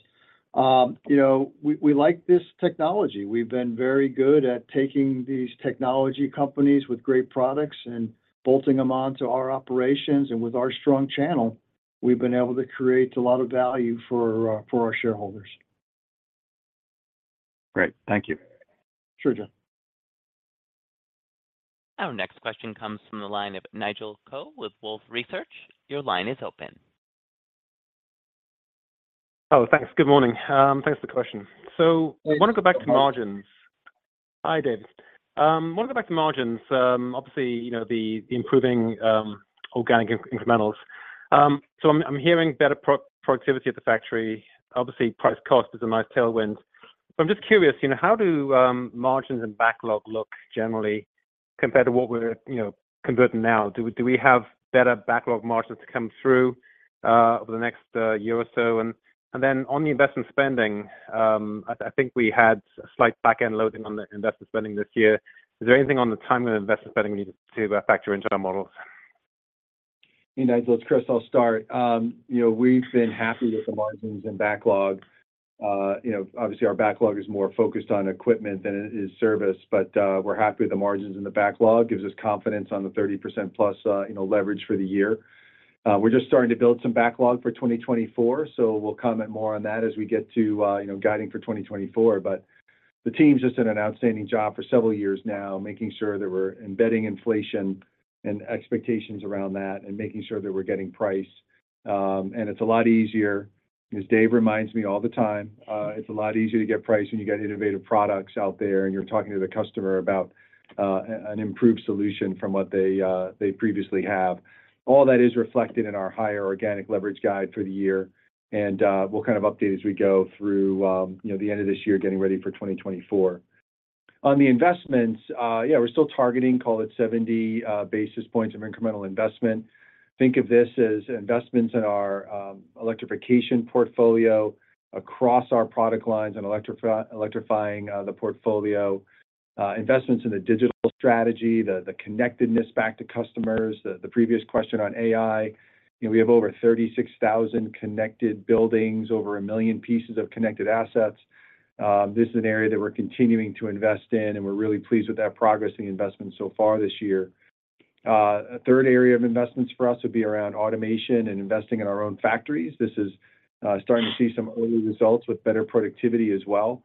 You know, we, we like this technology. We've been very good at taking these technology companies with great products and bolting them on to our operations, and with our strong channel, we've been able to create a lot of value for, for our shareholders. Great, thank you. Sure, Jeff. Our next question comes from the line of Nigel Coe with Wolfe Research. Your line is open. Oh, thanks. Good morning. Thanks for the question. I want to go back to margins. Hey, Nigel. Hi, Dave. I want to go back to margins. Obviously, you know, the, the improving organic incrementals. So I'm, I'm hearing better pro-productivity at the factory. Obviously, price cost is a nice tailwind. So I'm just curious, you know, how do margins and backlog look generally compared to what we're, you know, converting now? Do, do we have better backlog margins to come through over the next year or so? Then on the investment spending, I, I think we had a slight back-end loading on the investment spending this year. Is there anything on the timing of investment spending we need to factor into our models? Hey, Nigel, it's Chris. I'll start. You know, we've been happy with the margins and backlog. You know, obviously, our backlog is more focused on equipment than it is service, but we're happy with the margins, and the backlog gives us confidence on the 30%+ you know, leverage for the year. We're just starting to build some backlog for 2024, so we'll comment more on that as we get to, you know, guiding for 2024. The team's just done an outstanding job for several years now, making sure that we're embedding inflation and expectations around that and making sure that we're getting price. It's a lot easier, as Dave reminds me all the time, it's a lot easier to get price when you got innovative products out there, and you're talking to the customer about an improved solution from what they previously have. All that is reflected in our higher organic leverage guide for the year, we'll kind of update as we go through, you know, the end of this year, getting ready for 2024. On the investments, yeah, we're still targeting, call it 70 basis points of incremental investment. Think of this as investments in our electrification portfolio across our product lines and electrifying the portfolio, investments in the digital strategy, the, the connectedness back to customers, the, the previous question on AI. You know, we have over 36,000 connected buildings, over 1 million pieces of connected assets. This is an area that we're continuing to invest in, and we're really pleased with that progress and investment so far this year. A third area of investments for us would be around automation and investing in our own factories. This is starting to see some early results with better productivity as well.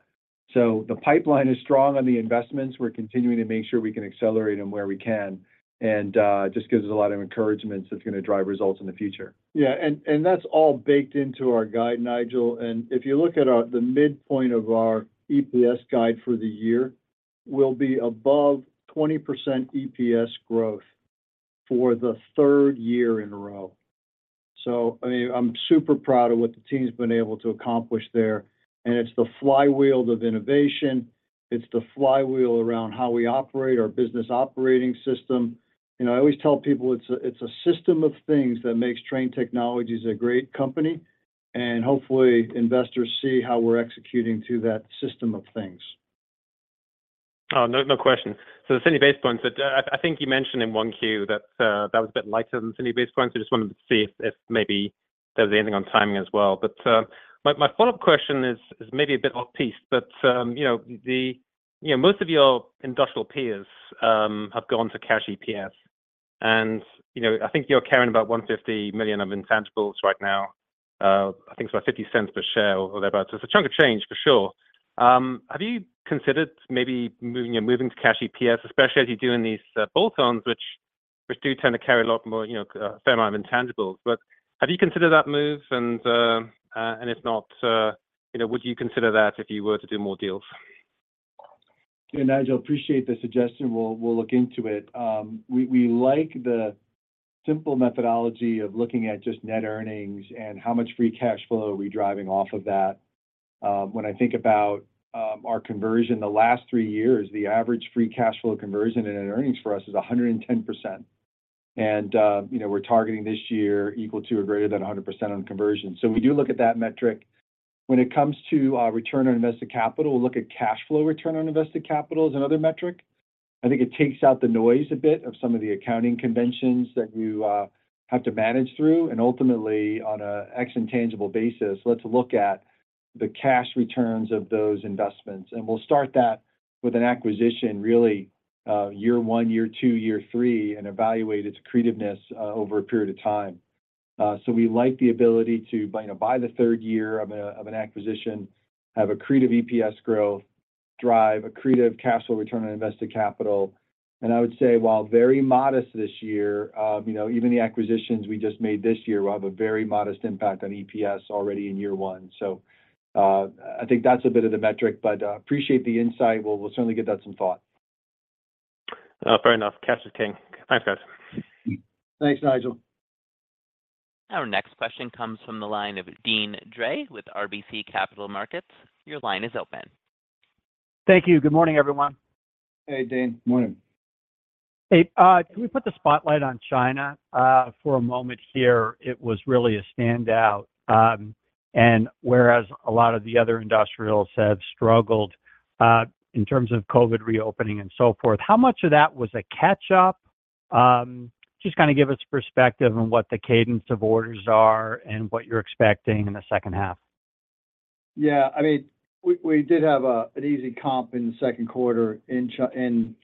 The pipeline is strong on the investments. We're continuing to make sure we can accelerate them where we can, and just gives us a lot of encouragement that's gonna drive results in the future. Yeah, and that's all baked into our guide, Nigel. If you look at our, the midpoint of our EPS guide for the year, we'll be above 20% EPS growth for the third year in a row. I mean, I'm super proud of what the team's been able to accomplish there, and it's the flywheel of innovation. It's the flywheel around how we operate our business operating system. You know, I always tell people it's a, it's a system of things that makes Trane Technologies a great company, and hopefully, investors see how we're executing to that system of things. Oh, no, no question. The 60 basis points that I, I think you mentioned in one queue that, that was a bit lighter than the 60 basis points. Just wanted to see if, if maybe there was anything on timing as well. My, my follow-up question is, is maybe a bit off piece, but, you know, the, you know, most of your industrial peers, have gone to cash EPS, and, you know, I think you're carrying about $150 million of intangibles right now. I think it's about $0.50 per share or thereabout, so it's a chunk of change for sure. Have you considered maybe moving and moving to cash EPS, especially as you do in these bolt-ons, which, which do tend to carry a lot more, you know, fair amount of intangibles? Have you considered that move? If not, you know, would you consider that if you were to do more deals? Hey, Nigel, appreciate the suggestion. We'll look into it. We like the. simple methodology of looking at just net earnings and how much free cash flow are we driving off of that. When I think about our conversion the last three years, the average free cash flow conversion and net earnings for us is 110%. You know, we're targeting this year equal to or greater than 100% on conversion. We do look at that metric. When it comes to return on invested capital, we'll look at cash flow return on invested capital as another metric. I think it takes out the noise a bit of some of the accounting conventions that you have to manage through, and ultimately, on a ex and tangible basis, let's look at the cash returns of those investments. We'll start that with an acquisition, really, year one, year two, year three, and evaluate its creativeness over a period of time. So we like the ability to, by, you know, by the 3rd year of an acquisition, have accretive EPS growth, drive accretive cash flow return on invested capital. I would say, while very modest this year, you know, even the acquisitions we just made this year will have a very modest impact on EPS already in year 1. I think that's a bit of the metric, but appreciate the insight. We'll, we'll certainly give that some thought. Fair enough. Cash is king. Thanks, guys. Thanks, Nigel. Our next question comes from the line of Deane Dray with RBC Capital Markets. Your line is open. Thank you. Good morning, everyone. Hey, Deane. Morning. Hey, can we put the spotlight on China for a moment here? It was really a standout. Whereas a lot of the other industrials have struggled in terms of COVID reopening and so forth, how much of that was a catch-up? Just kind of give us perspective on what the cadence of orders are and what you're expecting in the second half. Yeah, I mean, we, we did have an easy comp in the second quarter in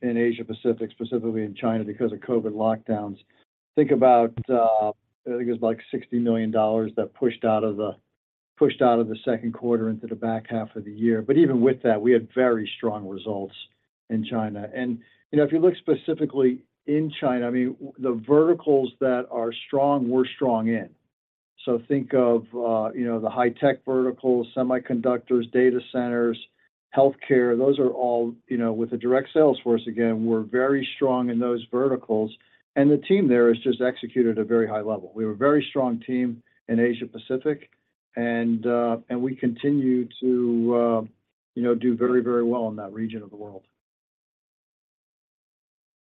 Asia Pacific, specifically in China because of COVID lockdowns. Think about, I think it was like $60 million that pushed out of the, pushed out of the second quarter into the back half of the year. Even with that, we had very strong results in China. You know, if you look specifically in China, I mean, the verticals that are strong, we're strong in. Think of, you know, the high-tech verticals, semiconductors, data centers, healthcare, those are all, you know, with the direct sales force, again, we're very strong in those verticals, and the team there has just executed a very high level. We have a very strong team in Asia Pacific, and we continue to, you know, do very, very well in that region of the world.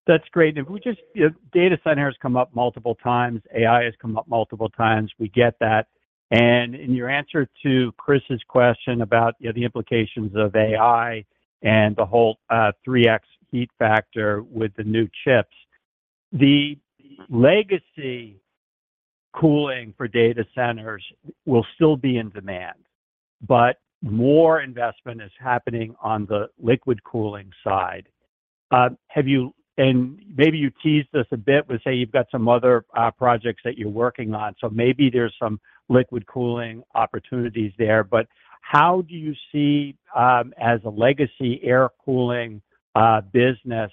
That's great. If we just... Yeah, data center has come up multiple times. AI has come up multiple times. We get that. In your answer to Chris's question about, you know, the implications of AI and the whole 3x heat factor with the new chips, the legacy cooling for data centers will still be in demand, but more investment is happening on the liquid cooling side. Maybe you teased us a bit with, say, you've got some other projects that you're working on, so maybe there's some liquid cooling opportunities there. How do you see, as a legacy air cooling business,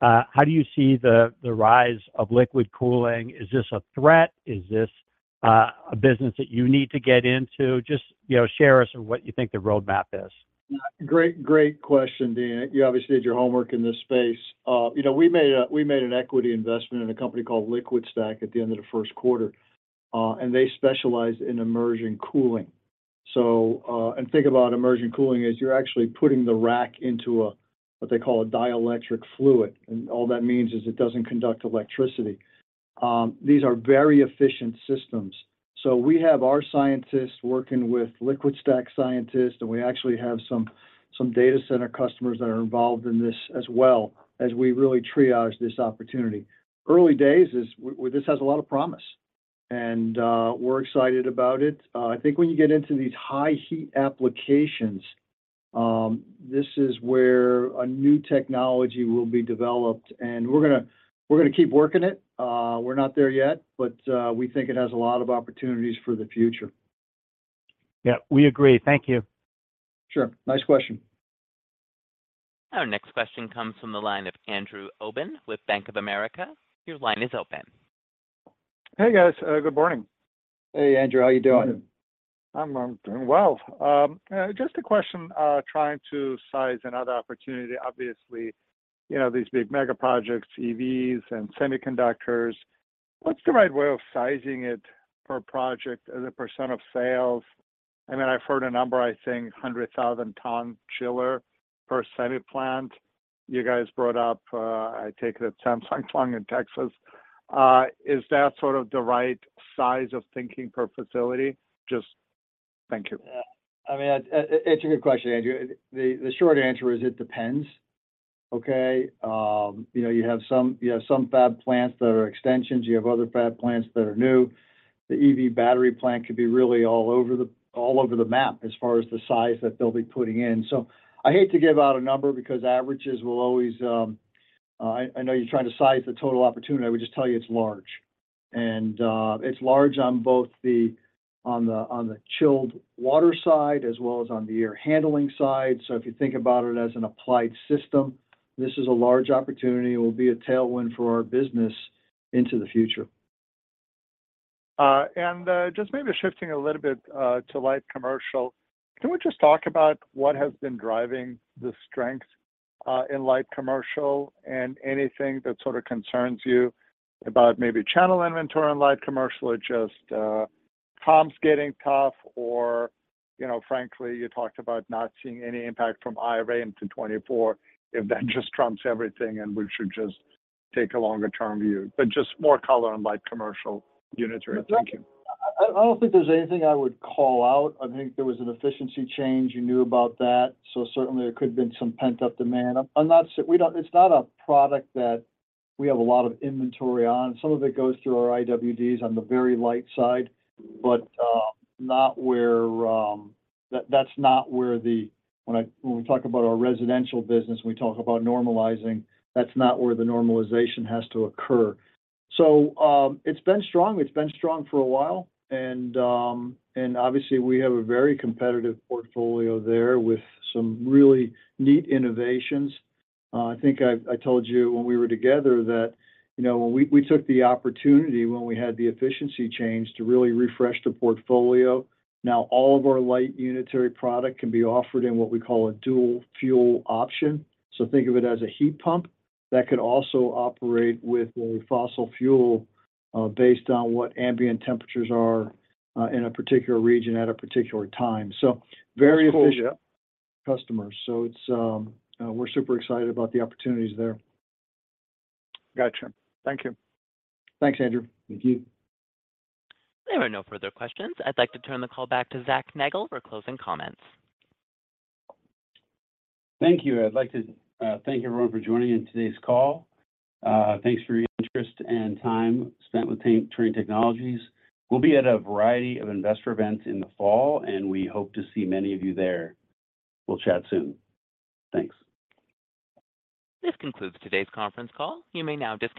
how do you see the rise of liquid cooling? Is this a threat? Is this a business that you need to get into? Just, you know, share with us on what you think the roadmap is. Great, great question, Deane. You obviously did your homework in this space. You know, we made a, we made an equity investment in a company called LiquidStack at the end of the first quarter, and they specialize in immersion cooling. Think about immersion cooling as you're actually putting the rack into a, what they call a dielectric fluid, and all that means is it doesn't conduct electricity. These are very efficient systems. We have our scientists working with LiquidStack scientists, and we actually have some, some data center customers that are involved in this as well, as we really triage this opportunity. Early days, well, this has a lot of promise, and we're excited about it. I think when you get into these high heat applications, this is where a new technology will be developed, and we're gonna, we're gonna keep working it. We're not there yet, but we think it has a lot of opportunities for the future. Yeah, we agree. Thank you. Sure. Nice question. Our next question comes from the line of Andrew Obin with Bank of America. Your line is open. Hey, guys, good morning. Hey, Andrew. How are you doing? I'm, I'm doing well. Just a question, trying to size another opportunity. Obviously, you know, these big mega projects, EVs and semiconductors, what's the right way of sizing it per project as a percent of sales? I mean, I've heard a number, I think 100,000 ton chiller per semi plant. You guys brought up, I take it at Samsung Gong in Texas. Is that sort of the right size of thinking per facility? Just. Thank you. Yeah, I mean, it, it's a good question, Andrew. The, the short answer is it depends, okay? You know, you have some, you have some fab plants that are extensions, you have other fab plants that are new. The EV battery plant could be really all over the, all over the map as far as the size that they'll be putting in. I hate to give out a number because averages will always... I, I know you're trying to size the total opportunity. I would just tell you it's large. It's large on both the, on the, on the chilled water side as well as on the air handling side. If you think about it as an applied system, this is a large opportunity. It will be a tailwind for our business into the future. Just maybe shifting a little bit, to light commercial, can we just talk about what has been driving the strength, in light commercial and anything that sort of concerns you about maybe channel inventory on light commercial or just, comps getting tough? You know, frankly, you talked about not seeing any impact from IRA into 2024, if that just trumps everything, and we should just take a longer term view. But just more color on light commercial unitary. Thank you. I don't think there's anything I would call out. I think there was an efficiency change. You knew about that, so certainly there could have been some pent-up demand. I'm not sure. We don't, it's not a product that we have a lot of inventory on. Some of it goes through our IWDs on the very light side, but not where, that's not where the... When we talk about our residential business, we talk about normalizing. That's not where the normalization has to occur. It's been strong. It's been strong for a while, and obviously, we have a very competitive portfolio there with some really neat innovations. I think I, I told you when we were together that, you know, when we, we took the opportunity when we had the efficiency change to really refresh the portfolio. All of our light unitary product can be offered in what we call a dual fuel option. Think of it as a heat pump that could also operate with a fossil fuel, based on what ambient temperatures are, in a particular region at a particular time. Very efficient- Cool... customers. It's, we're super excited about the opportunities there. Gotcha. Thank you. Thanks, Andrew. Thank you. There are no further questions. I'd like to turn the call back to Zac Nagle for closing comments. Thank you. I'd like to thank everyone for joining in today's call. Thanks for your interest and time spent with Trane Technologies. We'll be at a variety of investor events in the fall. We hope to see many of you there. We'll chat soon. Thanks. This concludes today's conference call. You may now disconnect.